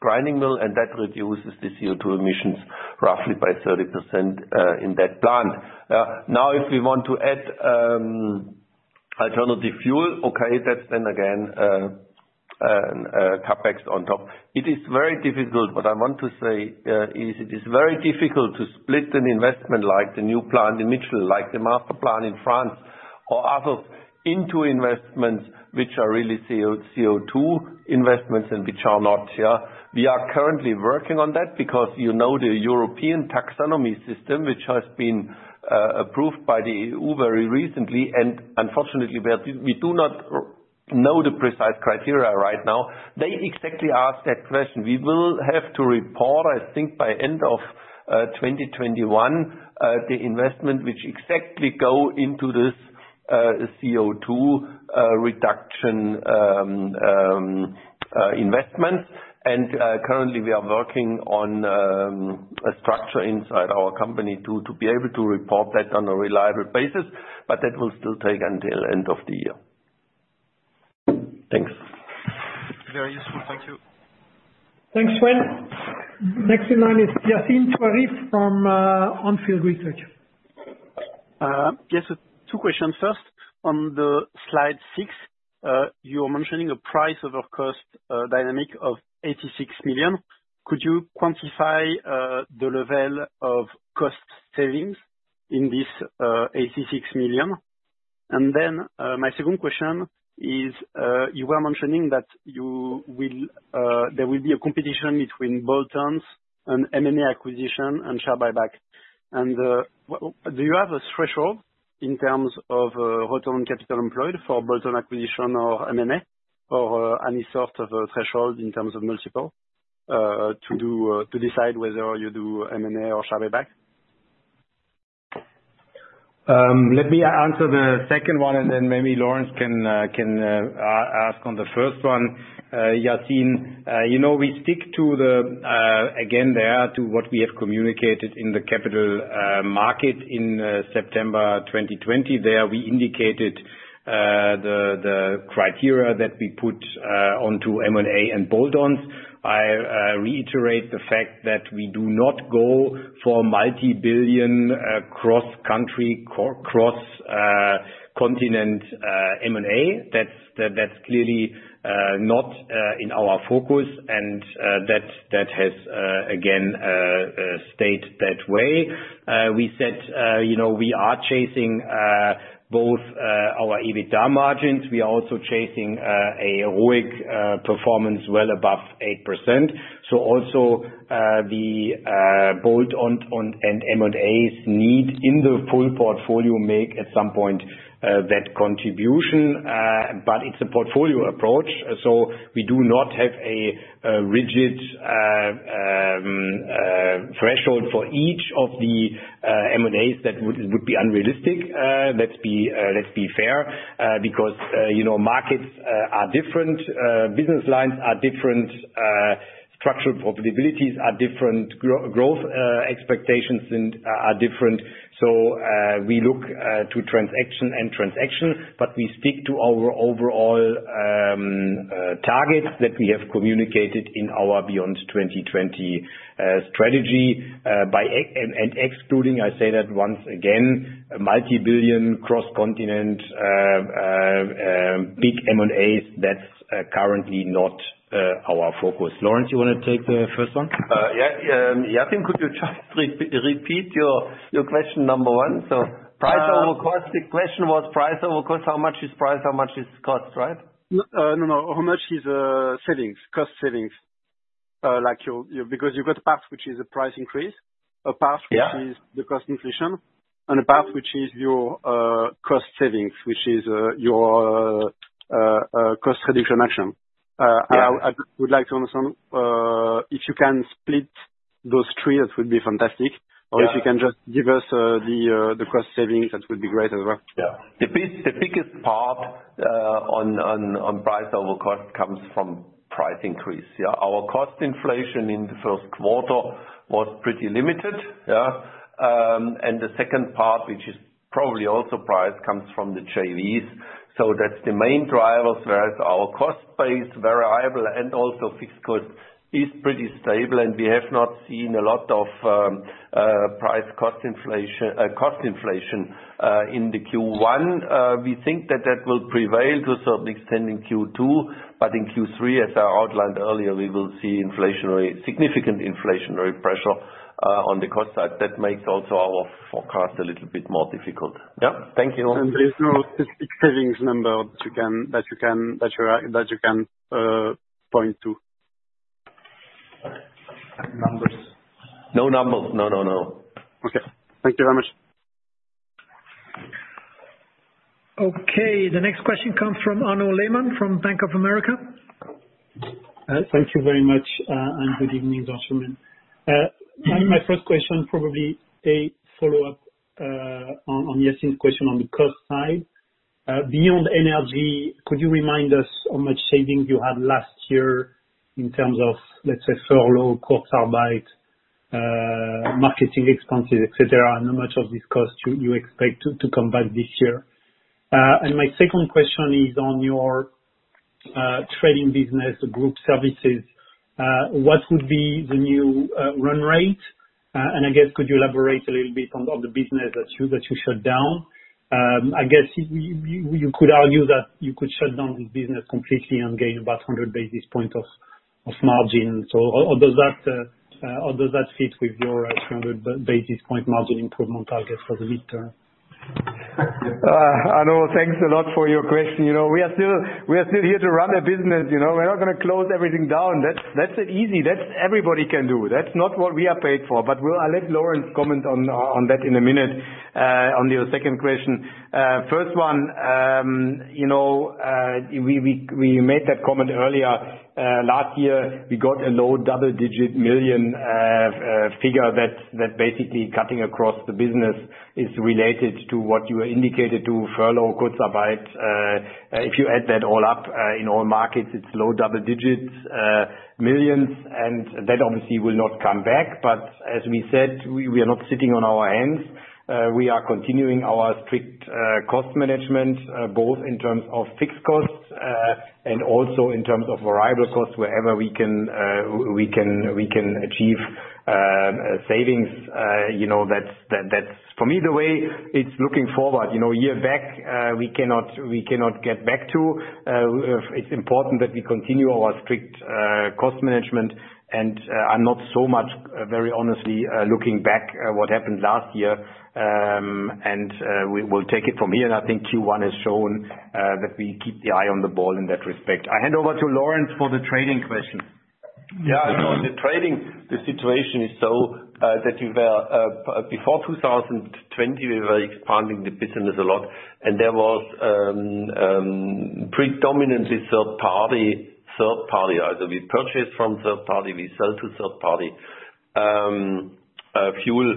grinding mill, and that reduces the CO2 emissions roughly by 30% in that plant. Now, if we want to add alternative fuel, okay, that's then again CapEx on top. What I want to say is, it is very difficult to split an investment like the new plant in Mitchell, like the master plan in France or others, into investments which are really CO2 investments and which are not. We are currently working on that because you know the European taxonomy system, which has been approved by the EU very recently, and unfortunately, we do not know the precise criteria right now. They exactly ask that question. We will have to report, I think, by end of 2021, the investment which exactly go into this CO2 reduction investment. currently we are working on a structure inside our company to be able to report that on a reliable basis, but that will still take until end of the year. Thanks. Very useful. Thank you. Thanks, Sven. Next in line is Yassine Touahri from On Field Research. Yes. Two questions. First, on the slide six, you are mentioning a price over cost dynamic of 86 million. Could you quantify the level of cost savings in this 86 million? My second question is, you were mentioning that there will be a competition between bolt-ons and M&A acquisition and share buyback. Do you have a threshold in terms of return on capital employed for bolt-on acquisition or M&A? Any sort of a threshold in terms of multiple to decide whether you do M&A or share buyback? Let me answer the second one and then maybe Lorenz Näger can ask on the first one. Yassine, we stick to the, again, there to what we have communicated in the capital markets in September 2020. There we indicated the criteria that we put onto M&A and bolt-ons. I reiterate the fact that we do not go for multi-billion, cross-country, cross-continent M&A. That's clearly not in our focus and that has, again, stayed that way. We said we are chasing both our EBITDA margins. We are also chasing a ROIC performance well above 8%. Also, the bolt-on and M&As need, in the full portfolio, make at some point that contribution. It's a portfolio approach, so we do not have a rigid threshold for each of the M&As. That would be unrealistic. Let's be fair, because markets are different, business lines are different, structural profitabilities are different, growth expectations are different. We look to transaction and transaction, but we stick to our overall target that we have communicated in our Beyond 2020 strategy. Excluding, I say that once again, multi-billion, cross-continent, big M&As, that's currently not our focus. Lorenz Näger, you want to take the first one? Yeah. Yassine, could you just repeat your question number one? Price over cost. The question was price over cost. How much is price, how much is cost, right? No. How much is cost savings? Because you've got a path which is a price increase, a path which is the cost inflation, and a path which is your cost savings, which is your cost reduction action. I would like to understand, if you can split those three, that would be fantastic if you can just give us the cost savings, that would be great as well. The biggest part on price over cost comes from price increase. Our cost inflation in the first quarter was pretty limited. The second part, which is probably also price, comes from the JVs. That's the main drivers, whereas our cost base variable and also fixed cost is pretty stable, and we have not seen a lot of price cost inflation. Cost inflation in the Q1, we think that that will prevail to certainly extend in Q2. In Q3, as I outlined earlier, we will see significant inflationary pressure on the cost side. That makes also our forecast a little bit more difficult. Thank you. There's no specific savings number that you can point to? Numbers? No numbers. No. Okay. Thank you very much. Okay. The next question comes from Arnaud Leymarie from Bank of America. Thank you very much. Good evening, gentlemen. My first question, probably a follow-up on Yassine's question on the cost side. Beyond energy, could you remind us how much savings you had last year in terms of, let's say, furlough, Kurzarbeit, marketing expenses, et cetera, and how much of this cost you expect to come back this year? My second question is on your trading business, the group services. What would be the new run rate? I guess could you elaborate a little bit on the business that you shut down? I guess you could argue that you could shut down the business completely and gain about 100 basis points of margin. How does that fit with your 100 basis points margin improvement target for the mid-term? Arnaud, thanks a lot for your question. We are still here to run a business. We're not going to close everything down. That's easy. That everybody can do. That's not what we are paid for. I'll let Lorenz comment on that in a minute, on your second question. First one, we made that comment earlier. Last year, we got a low double-digit million figure that basically cutting across the business is related to what you are indicated to, furlough, Kurzarbeit. If you add that all up, in all markets, it's low double digits, millions, and that obviously will not come back. As we said, we are not sitting on our hands. We are continuing our strict cost management, both in terms of fixed costs and also in terms of variable costs, wherever we can achieve savings. For me, the way it's looking forward, year back, we cannot get back to. It's important that we continue our strict cost management, and I'm not so much, very honestly, looking back at what happened last year. We'll take it from here. I think Q1 has shown that we keep the eye on the ball in that respect. I hand over to Lorenz for the trading question. Yeah. On the trading, the situation is so that before 2020, we were expanding the business a lot and there was predominantly third party. Either we purchase from third party, we sell to third party. Fuel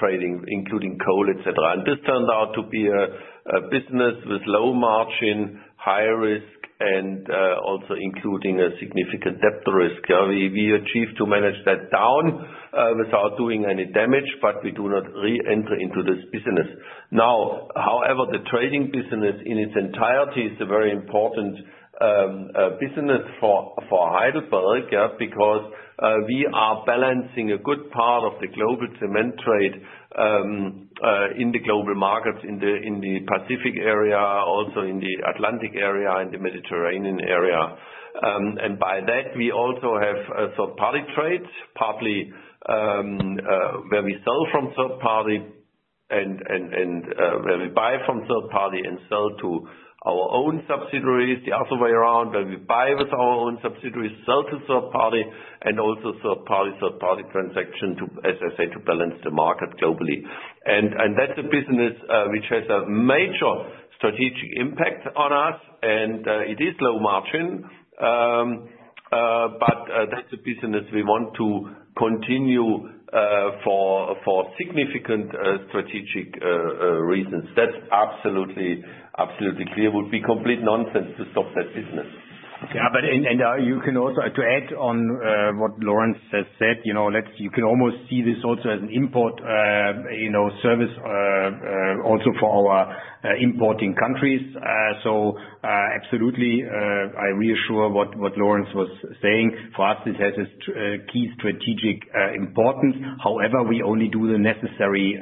trading, including coal, et cetera. This turned out to be a business with low margin, high risk, and also including a significant debt risk. We achieved to manage that down without doing any damage, but we do not re-enter into this business. However, the trading business in its entirety is a very important business for Heidelberg, because we are balancing a good part of the global cement trade in the global markets, in the Pacific area, also in the Atlantic area, and the Mediterranean area. By that, we also have a third-party trade, partly where we sell from third-party and where we buy from third-party and sell to our own subsidiaries. The other way around, where we buy with our own subsidiaries, sell to third-party, and also third-party transaction, as I said, to balance the market globally. That's a business which has a major strategic impact on us. It is low-margin, but that's a business we want to continue for significant strategic reasons. That's absolutely clear. Would be complete nonsense to stop that business. Okay. You can also, to add on what Lorenz has said, you can almost see this also as an import service also for our importing countries. Absolutely, I reassure what Lorenz was saying. For us, this has a key strategic importance. However, we only do the necessary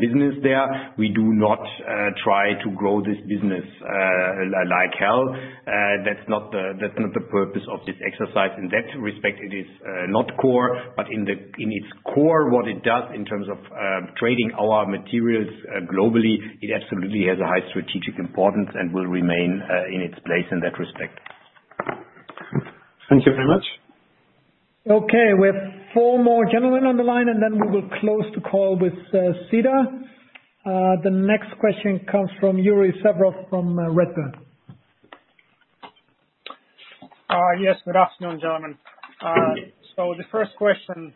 business there. We do not try to grow this business like hell. That's not the purpose of this exercise. In that respect, it is not core. In its core, what it does in terms of trading our materials globally, it absolutely has a high strategic importance and will remain in its place in that respect. Thank you very much. Okay. We have four more gentlemen on the line, then we will close the call with Cedar. The next question comes from Yuri Serov from Redburn. Yes. Good afternoon, gentlemen. The first question.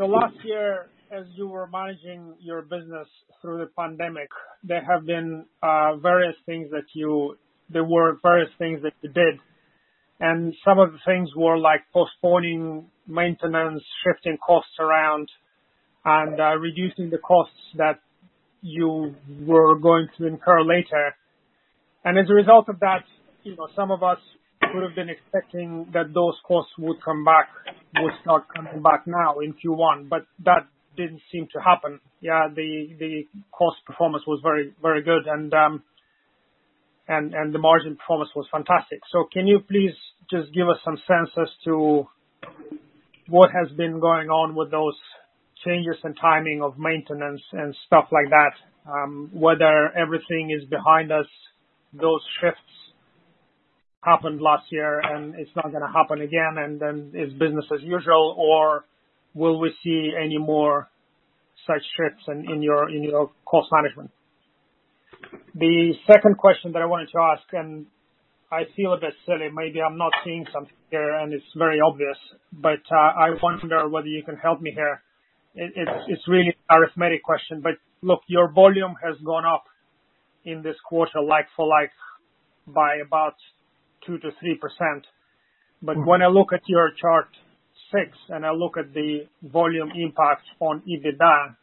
Last year, as you were managing your business through the pandemic, there were various things that you did. Some of the things were postponing maintenance, shifting costs around, and reducing the costs that you were going to incur later. As a result of that, some of us would have been expecting that those costs would start coming back now in Q1, but that didn't seem to happen. The cost performance was very good, and the margin performance was fantastic. Can you please just give us some sense as to what has been going on with those changes in timing of maintenance and stuff like that, whether everything is behind us, those shifts happened last year, and it's not going to happen again, and then it's business as usual, or will we see any more such shifts in your cost management? The second question that I wanted to ask, and I feel a bit silly, maybe I'm not seeing something here, and it's very obvious, but I wonder whether you can help me here. It's really an arithmetic question. look, your volume has gone up in this quarter like for like by about 2% to 3%. when I look at your chart six and I look at the volume impact on EBITDA,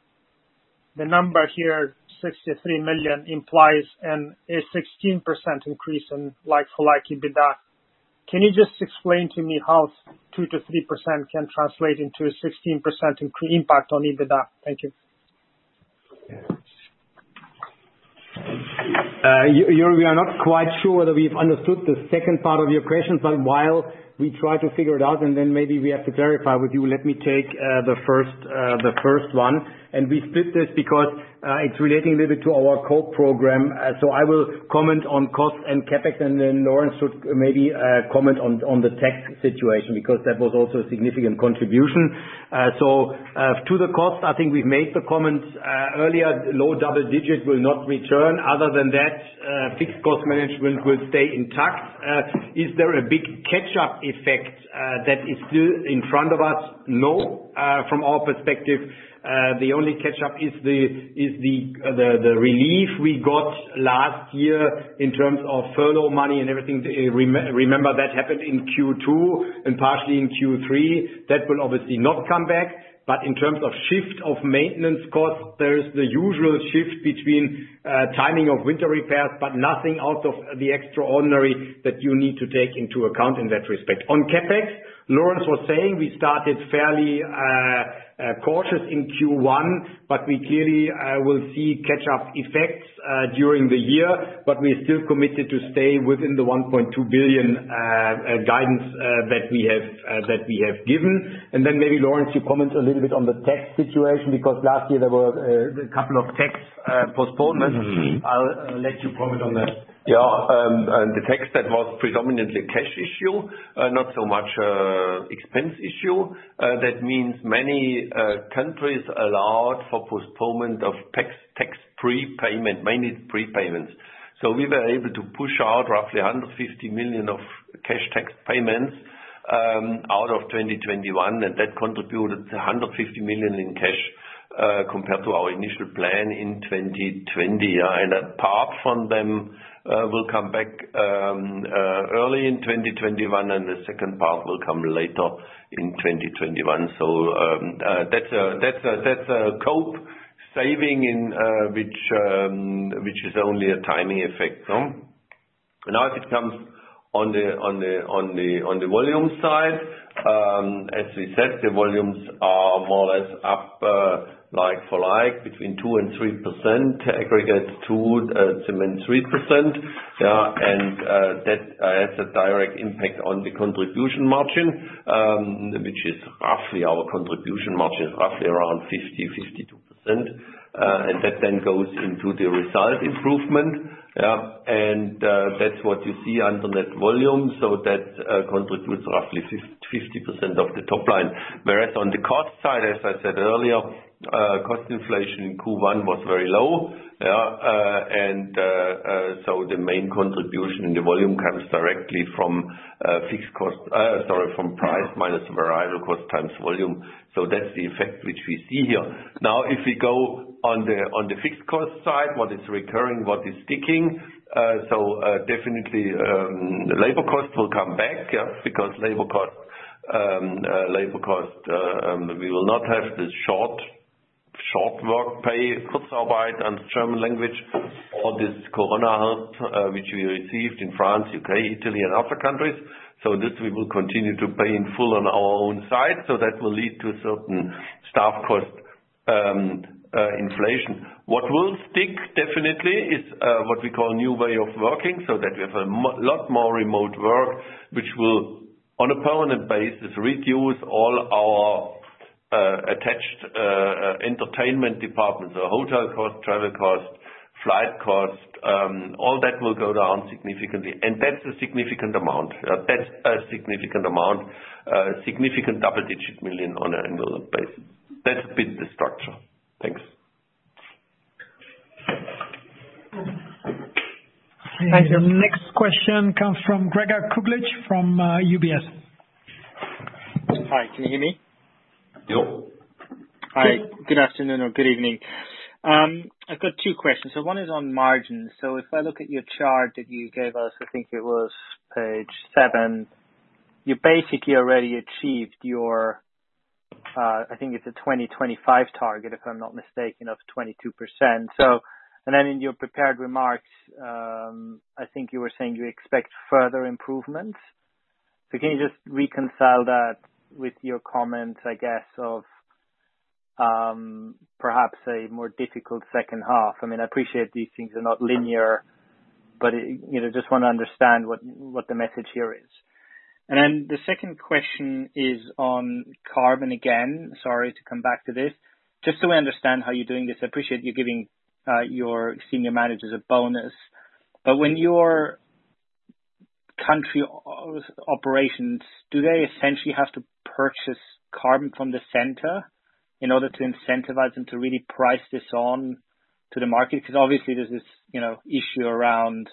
the number here, 63 million, implies a 16% increase in like for like EBITDA. Can you just explain to me how 2% to 3% can translate into a 16% impact on EBITDA? Thank you. Yuri, we are not quite sure that we've understood the second part of your question, but while we try to figure it out, and then maybe we have to verify with you, let me take the first one. We split this because it's relating a little bit to our CO2 program. I will comment on cost and CapEx, and then Lorenz should maybe comment on the tax situation because that was also a significant contribution. To the cost, I think we've made the comments earlier, low double digit will not return. Other than that, fixed cost management will stay intact. Is there a big catch-up effect that is still in front of us? No. From our perspective, the only catch-up is the relief we got last year in terms of furlough money and everything. Remember that happened in Q2 and partially in Q3. That will obviously not come back. In terms of shift of maintenance costs, there is the usual shift between timing of winter repairs, but nothing out of the extraordinary that you need to take into account in that respect. On CapEx, Lorenz was saying we started fairly cautious in Q1, but we clearly will see catch-up effects during the year, but we're still committed to stay within the 1.2 billion guidance that we have given. Maybe Lorenz, you comment a little bit on the tax situation, because last year there were a couple of tax postponements. I'll let you comment on that. Yeah. The tax, that was predominantly a cash issue, not so much expense issue. That means many countries allowed for postponement of tax prepayment, mainly prepayments. We were able to push out roughly 150 million of cash tax payments out of 2021, and that contributed to 150 million in cash compared to our initial plan in 2020. A part of them will come back early in 2021, and the second part will come later in 2021. That's a cost saving which is only a timing effect. If it comes on the volume side, as we said, the volumes are more or less up like for like between 2% and 3%, aggregates 2%, cement 3%. That has a direct impact on the contribution margin, which is roughly our contribution margin is roughly around 50%, 52%. That then goes into the result improvement, yeah. That's what you see under net volume. That contributes roughly 50% of the top line. Whereas on the cost side, as I said earlier, cost inflation in Q1 was very low. The main contribution in the volume comes directly from price minus variable cost times volume. That's the effect which we see here. Now, if we go on the fixed cost side, what is recurring, what is sticking? Definitely labor cost will come back, yeah, because labor cost we will not have this short work pay, in German language or this corona help which we received in France, U.K., Italy, and other countries. This we will continue to pay in full on our own side. That will lead to certain staff cost inflation. What will stick definitely is what we call new way of working, so that we have a lot more remote work, which will on a permanent basis reduce all our attached entertainment departments, our hotel cost, travel cost, flight cost, all that will go down significantly. That's a significant amount. That's a significant amount, significant double digit million on an annual basis. That's a bit the structure. Thanks. Next question comes from Gregor Kuglitsch from UBS. Hi, can you hear me? Yep. Hi. Good afternoon or good evening. I've got two questions. One is on margins. If I look at your chart that you gave us, I think it was page seven, you basically already achieved your, I think it's a 2025 target, if I'm not mistaken, of 22%. In your prepared remarks, I think you were saying you expect further improvements. Can you just reconcile that with your comments, I guess, of perhaps a more difficult second half? I appreciate these things are not linear, but just want to understand what the message here is. The second question is on carbon again, sorry to come back to this. Just so I understand how you're doing this, I appreciate you giving your senior managers a bonus, but when your country operations, do they essentially have to purchase carbon from the center in order to incentivize them to really price this on to the market? Because obviously there's this issue around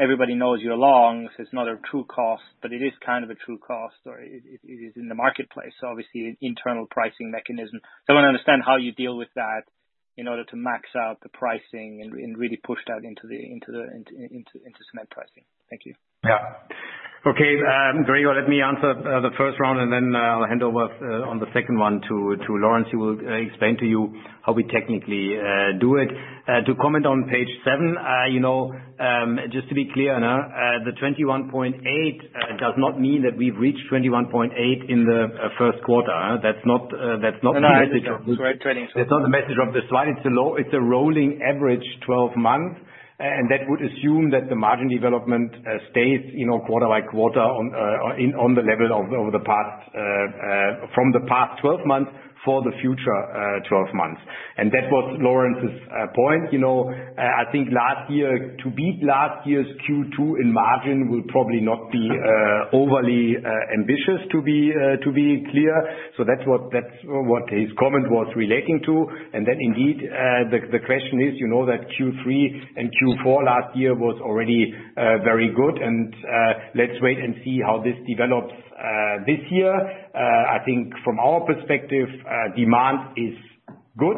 everybody knows you're long, so it's not a true cost, but it is kind of a true cost, or it is in the marketplace, obviously an internal pricing mechanism. I want to understand how you deal with that in order to max out the pricing and really push that into cement pricing. Thank you. Yeah. Okay Gregor, let me answer the first round, and then I'll hand over on the second one to Lorenz, who will explain to you how we technically do it. To comment on page seven, just to be clear, the 21.8 does not mean that we've reached 21.8 in the first quarter. That's not the message of- No. That's not the message of the slide. It's a rolling average 12 months. That would assume that the margin development stays quarter by quarter on the level from the past 12 months for the future 12 months. That was Lorenz's point. I think to beat last year's Q2 in margin will probably not be overly ambitious, to be clear. That's what his comment was relating to. Indeed, the question is that Q3 and Q4 last year was already very good and let's wait and see how this develops this year. I think from our perspective, demand is good,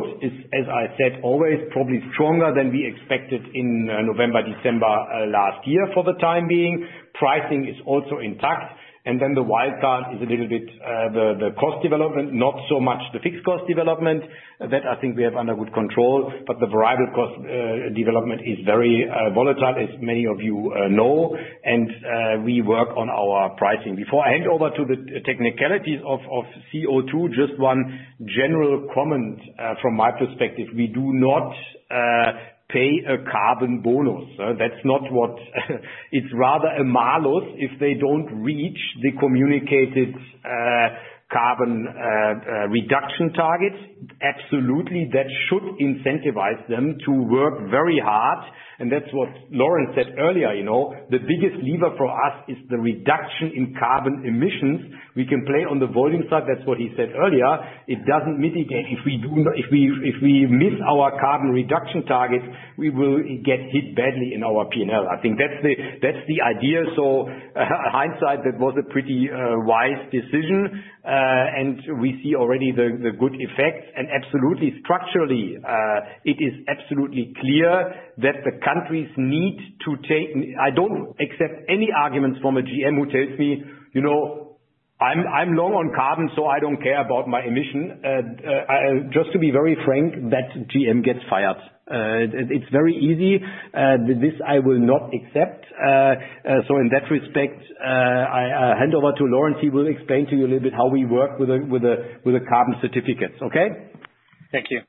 as I said always, probably stronger than we expected in November, December last year for the time being. Pricing is also intact. the wild card is a little bit the cost development, not so much the fixed cost development that I think we have under good control, but the variable cost development is very volatile as many of you know and we work on our pricing. Before I hand over to the technicalities of CO2, just one general comment from my perspective. We do not pay a carbon bonus. It's rather a malus if they don't reach the communicated carbon reduction targets. Absolutely, that should incentivize them to work very hard and that's what Lorenz said earlier. The biggest lever for us is the reduction in carbon emissions. We can play on the volume side. That's what he said earlier. If we miss our carbon reduction targets, we will get hit badly in our P&L. I think that's the idea. hindsight, that was a pretty wise decision. we see already the good effects and absolutely structurally, it is absolutely clear that the countries need to take, I don't accept any arguments from a GM who tells me, "You know, I'm low on carbon, so I don't care about my emission. Just to be very frank, that GM gets fired". It's very easy. This I will not accept. In that respect, I hand over to Lorenz Näger. He will explain to you a little bit how we work with the carbon certificates, okay? Thank you.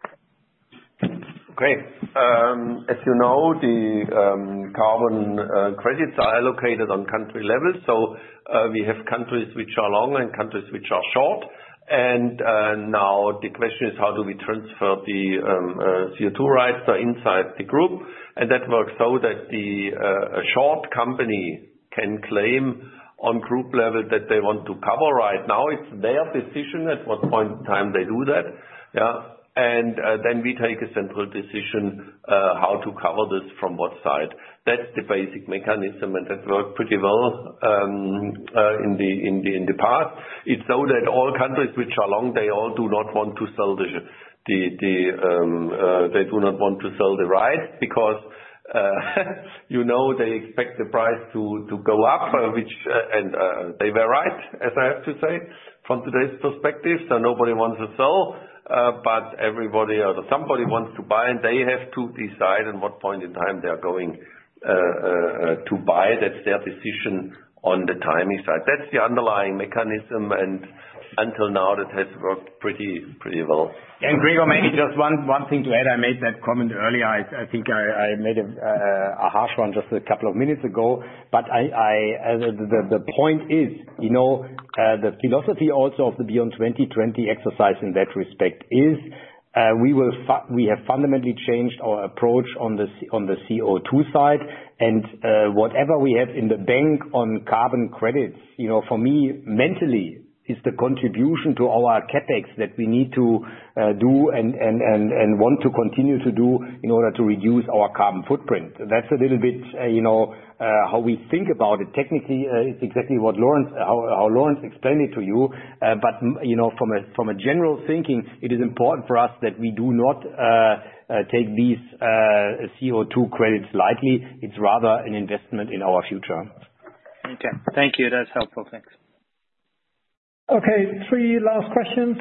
Great. As you know, the carbon credits are allocated on country levels. We have countries which are long and countries which are short. Now the question is how do we transfer the CO2 rights inside the group? That works so that the short company can claim on group level that they want to cover right now. It's their decision at what point in time they do that. Yeah. We take a central decision, how to cover this from what side. That's the basic mechanism, and that worked pretty well in the past. It's so that all countries which are long, they do not want to sell the rights because they expect the price to go up. They were right, as I have to say, from today's perspective, so nobody wants to sell. somebody wants to buy, and they have to decide on what point in time they are going to buy. That's their decision on the timing side. That's the underlying mechanism, and until now that has worked pretty well. Gregor, maybe just one thing to add. I made that comment earlier. I think I made a harsh one just a couple of minutes ago. the point is, the philosophy also of the Beyond 2020 exercise in that respect is we have fundamentally changed our approach on the CO2 side. whatever we have in the bank on carbon credits, for me, mentally, is the contribution to our CapEx that we need to do and want to continue to do in order to reduce our carbon footprint. That's a little bit how we think about it technically. It's exactly how Lorenz explained it to you. from a general thinking, it is important for us that we do not take these CO2 credits lightly. It's rather an investment in our future. Okay. Thank you. That's helpful. Thanks. Okay, three last questions.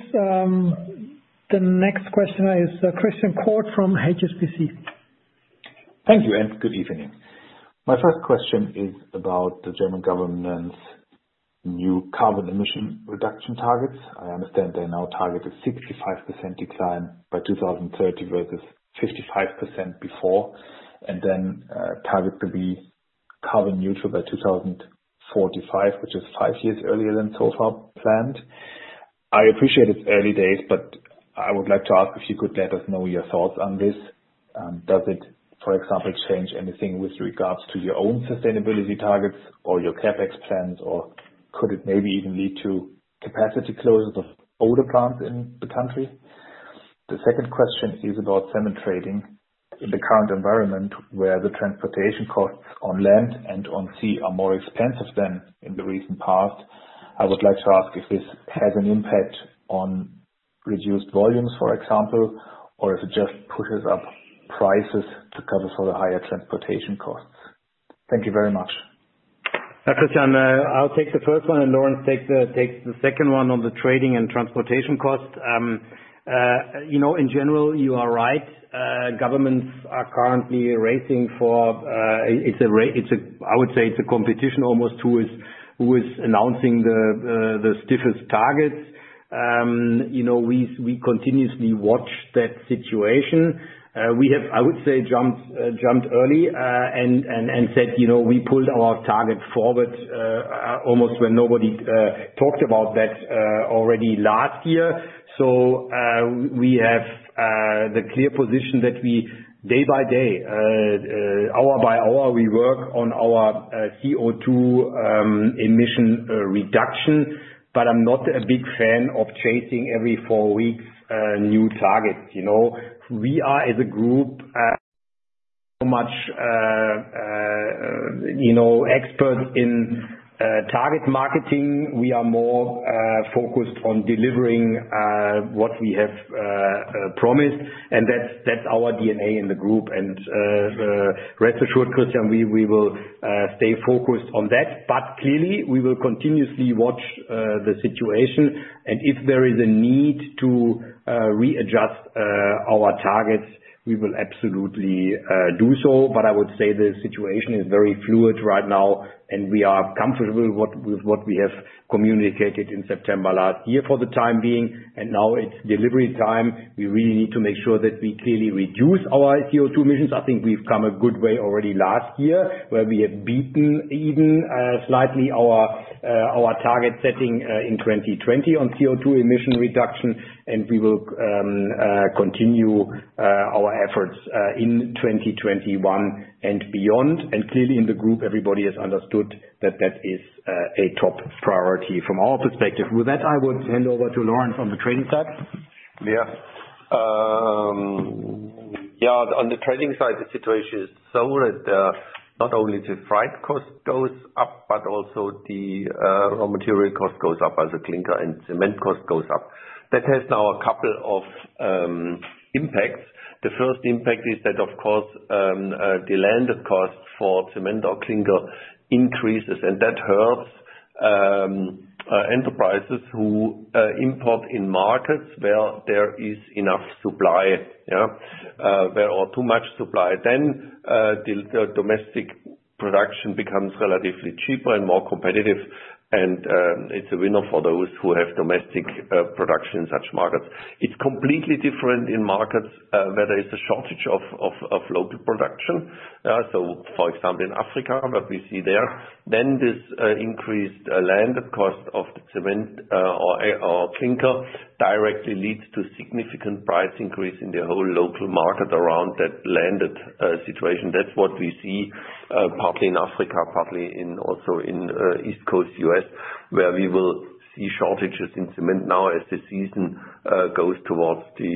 The next question is Christian Korth from HSBC. Thank you, and good evening. My first question is about the German government's new carbon emission reduction targets. I understand they now target a 65% decline by 2030, versus 55% before, and then target to be carbon neutral by 2045, which is five years earlier than so far planned. I appreciate it's early days, but I would like to ask if you could let us know your thoughts on this. Does it, for example, change anything with regards to your own sustainability targets or your CapEx plans, or could it maybe even lead to capacity closures of older plants in the country? The second question is about cement trading. In the current environment, where the transportation costs on land and on sea are more expensive than in the recent past, I would like to ask if this has an impact on reduced volumes, for example, or if it just pushes up prices to cover for the higher transportation costs. Thank you very much. Christian, I'll take the first one and Lorenz takes the second one on the trading and transportation costs. In general, you are right. Governments are currently racing for I would say it's a competition almost who is announcing the stiffest targets. We continuously watch that situation. We have, I would say, jumped early, and said we pulled our target forward almost when nobody talked about that already last year. We have the clear position that we, day by day, hour by hour, we work on our CO2 emission reduction. I'm not a big fan of chasing every four weeks a new target. We are, as a group, so much expert in target marketing. We are more focused on delivering what we have promised, and that's our DNA in the group. Rest assured, Christian, we will stay focused on that. Clearly, we will continuously watch the situation, and if there is a need to readjust our targets, we will absolutely do so. I would say the situation is very fluid right now, and we are comfortable with what we have communicated in September last year for the time being, and now it's delivery time. We really need to make sure that we clearly reduce our CO2 emissions. I think we've come a good way already last year, where we have beaten even slightly our target setting in 2020 on CO2 emission reduction, and we will continue our efforts in 2021 and beyond. Clearly in the group, everybody has understood that that is a top priority from our perspective. With that, I would hand over to Lorenz on the trading side. Yeah. On the trading side, the situation is so that not only the freight cost goes up, but also the raw material cost goes up as the clinker and cement cost goes up. That has now a couple of impacts. The first impact is that, of course, the landed cost for cement or clinker increases, and that hurts enterprises who import in markets where there is enough supply. Where there are too much supply, then the domestic production becomes relatively cheaper and more competitive. it's a winner for those who have domestic production in such markets. It's completely different in markets where there is a shortage of local production. for example, in Africa, what we see there, then this increased landed cost of the cement or clinker directly leads to significant price increase in the whole local market around that landed situation. That's what we see partly in Africa, partly also in East Coast US, where we will see shortages in cement now as the season goes towards the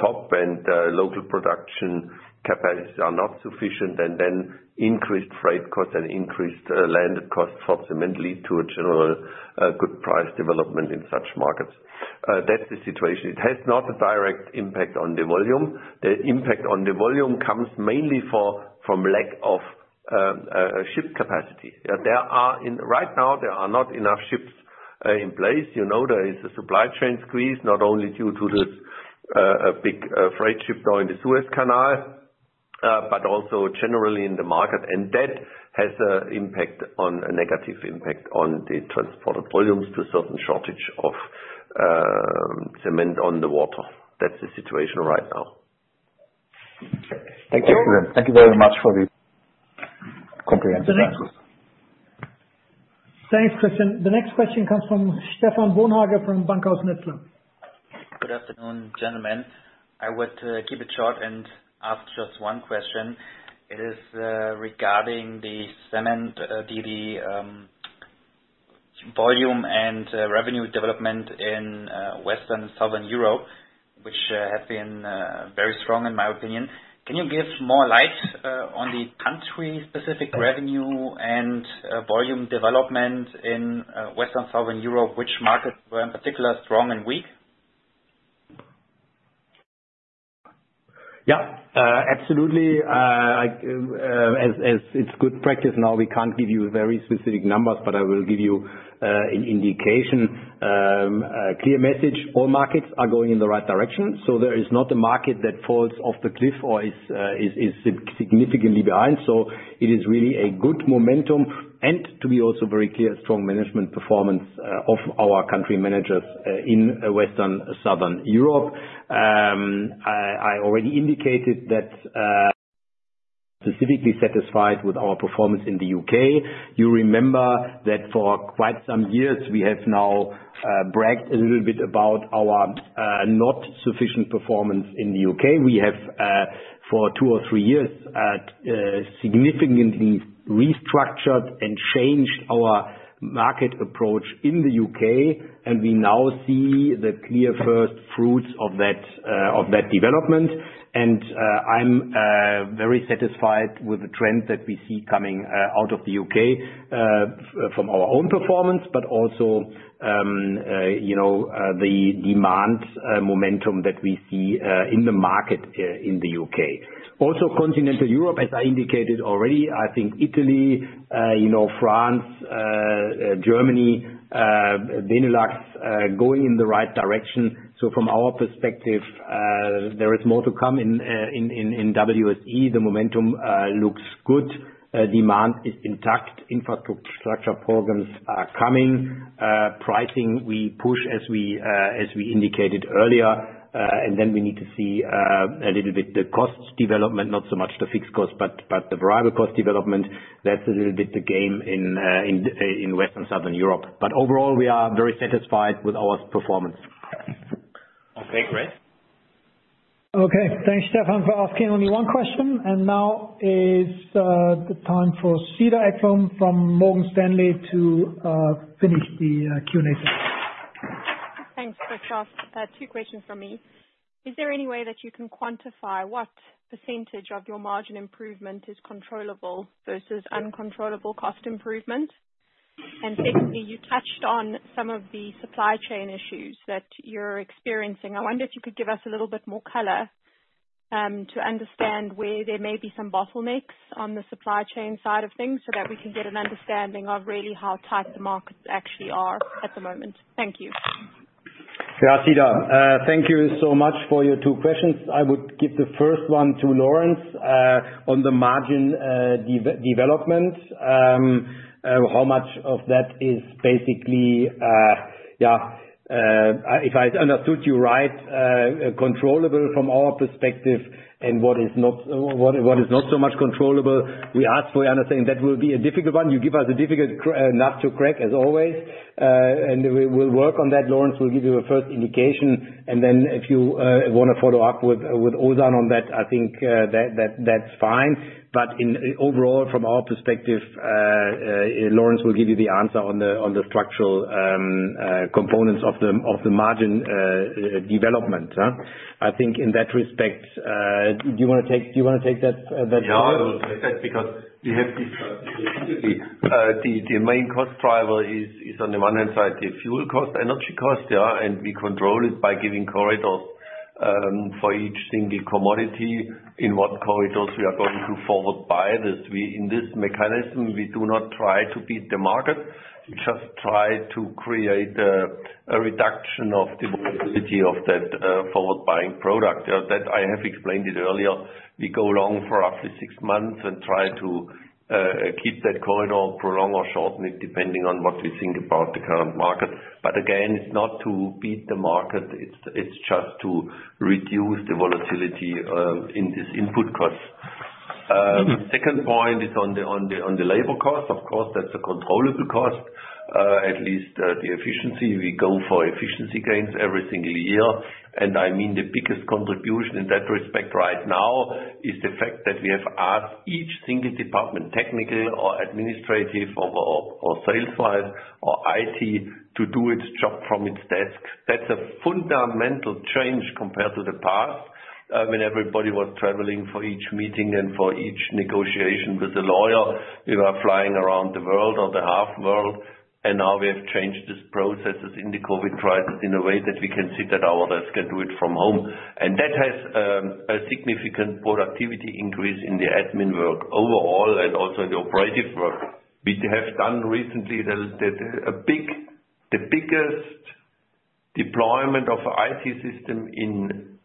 top and local production capacities are not sufficient, and then increased freight costs and increased landed costs for cement lead to a general good price development in such markets. That's the situation. It has not a direct impact on the volume. The impact on the volume comes mainly from lack of ship capacity. Right now, there are not enough ships in place. There is a supply chain squeeze, not only due to this big freight ship now in the Suez Canal, but also generally in the market. That has a negative impact on the transported volumes to a certain shortage of cement on the water. That's the situation right now. Thank you. Excellent. Thank you very much for the comprehensive answers. Thanks, Christian. The next question comes from Stefan Bauknecht from Bankhaus Metzler. Good afternoon, gentlemen. I would keep it short and ask just one question. It is regarding the cement division volume and revenue development in Western Southern Europe, which have been very strong in my opinion. Can you give more light on the country-specific revenue and volume development in Western Southern Europe? Which markets were in particular strong and weak? Yeah. Absolutely. As it's good practice now, we can't give you very specific numbers, but I will give you an indication. A clear message, all markets are going in the right direction. There is not a market that falls off the cliff or is significantly behind. It is really a good momentum and to be also very clear, strong management performance of our country managers in Western Southern Europe. I already indicated that specifically satisfied with our performance in the U.K. You remember that for quite some years we have now bragged a little bit about our not sufficient performance in the U.K. We have, for two or three years, significantly restructured and changed our market approach in the U.K., and we now see the clear first fruits of that development. I'm very satisfied with the trend that we see coming out of the U.K. from our own performance, but also the demand momentum that we see in the market in the U.K. Also continental Europe, as I indicated already, I think Italy, France, Germany, Benelux, going in the right direction. From our perspective, there is more to come in WSE. The momentum looks good. Demand is intact. Infrastructure programs are coming. Pricing, we push as we indicated earlier. We need to see a little bit the cost development, not so much the fixed cost, but the variable cost development. That's a little bit the game in Western Southern Europe. Overall, we are very satisfied with our performance. Okay, great. Okay. Thanks, Stefan, for asking only one question. Now it's the time for Cedar Ekblom from Morgan Stanley to finish the Q&A session. Thanks, Christoph. Two questions from me. Is there any way that you can quantify what percentage of your margin improvement is controllable versus uncontrollable cost improvement? Secondly, you touched on some of the supply chain issues that you're experiencing. I wonder if you could give us a little bit more color, to understand where there may be some bottlenecks on the supply chain side of things so that we can get an understanding of really how tight the markets actually are at the moment. Thank you. Yeah, Cedar. Thank you so much for your two questions. I would give the first one to Lorenz on the margin development. How much of that is basically, if I understood you right, controllable from our perspective and what is not so much controllable. We ask for your understanding. That will be a difficult one. You give us a difficult nut to crack as always. We will work on that. Lorenz will give you a first indication, and then if you want to follow up with Ozan on that, I think that's fine. Overall, from our perspective, Lorenz will give you the answer on the structural components of the margin development. I think in that respect. Do you want to take that? Yeah, I will take that because we have discussed it repeatedly. The main cost driver is on the one hand side, the fuel cost, energy cost, yeah? We control it by giving corridors for each single commodity, in what corridors we are going to forward buy. In this mechanism, we do not try to beat the market. We just try to create a reduction of the volatility of that forward buying product. That I have explained it earlier. We go long for up to six months and try to keep that corridor, prolong or shorten it, depending on what we think about the current market. Again, it's not to beat the market, it's just to reduce the volatility in this input cost. Second point is on the labor cost. Of course, that's a controllable cost. At least the efficiency. We go for efficiency gains every single year. I mean, the biggest contribution in that respect right now is the fact that we have asked each single department, technical or administrative or sales wise or IT, to do its job from its desk. That's a fundamental change compared to the past, when everybody was traveling for each meeting and for each negotiation with a lawyer, flying around the world or the half world. Now we have changed this process in the COVID crisis in a way that we can see that our others can do it from home. That has a significant productivity increase in the admin work overall and also in the operative work. We have done recently the biggest deployment of IT system in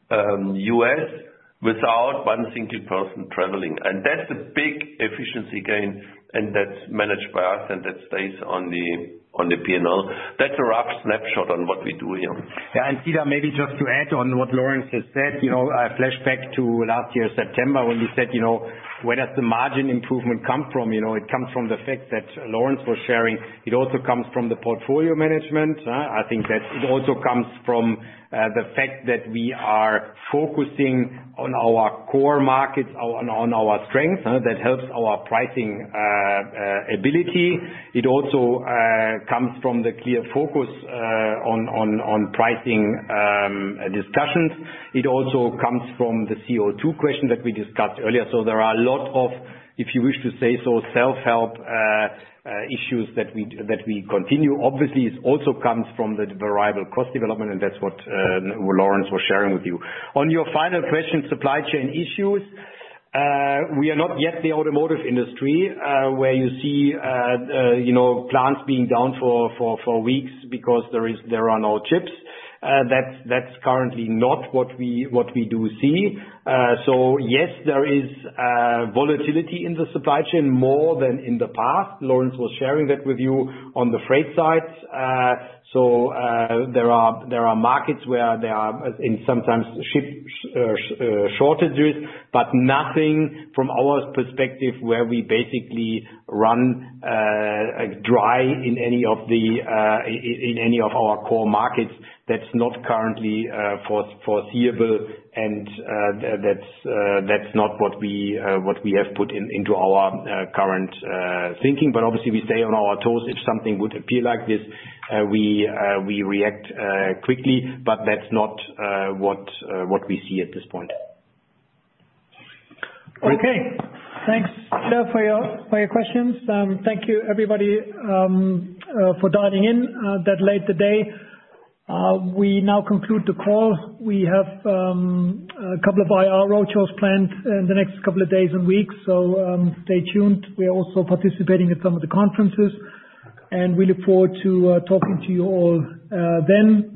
U.S. without one single person traveling. That's a big efficiency gain and that's managed by us, and that stays on the P&L. That's a rough snapshot on what we do here. Yeah, Cedar, maybe just to add on what Lorenz has said. A flashback to last year, September, when we said, where does the margin improvement come from? It comes from the fact that Lorenz was sharing. It also comes from the portfolio management. I think that it also comes from the fact that we are focusing on our core markets, on our strength. That helps our pricing ability. It also comes from the clear focus on pricing discussions. It also comes from the CO2 question that we discussed earlier. There are a lot of, if you wish to say so, self-help issues that we continue. Obviously, it also comes from the variable cost development, and that's what Lorenz was sharing with you. On your final question, supply chain issues. We are not yet the automotive industry, where you see plants being down for weeks because there are no chips. That's currently not what we do see. yes, there is volatility in the supply chain more than in the past. Lorenz was sharing that with you on the freight side. there are markets where there are sometimes ship shortages, but nothing from our perspective, where we basically run dry in any of our core markets. That's not currently foreseeable and that's not what we have put into our current thinking. obviously we stay on our toes. If something would appear like this, we react quickly, but that's not what we see at this point. Okay. Thanks, Cedar, for your questions. Thank you everybody for dialing in that late today. We now conclude the call. We have a couple of IR roadshows planned in the next couple of days and weeks, so stay tuned. We are also participating at some of the conferences, and we look forward to talking to you all then.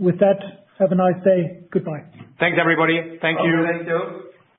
With that, have a nice day. Goodbye. Thanks everybody. Thank you. Thank you.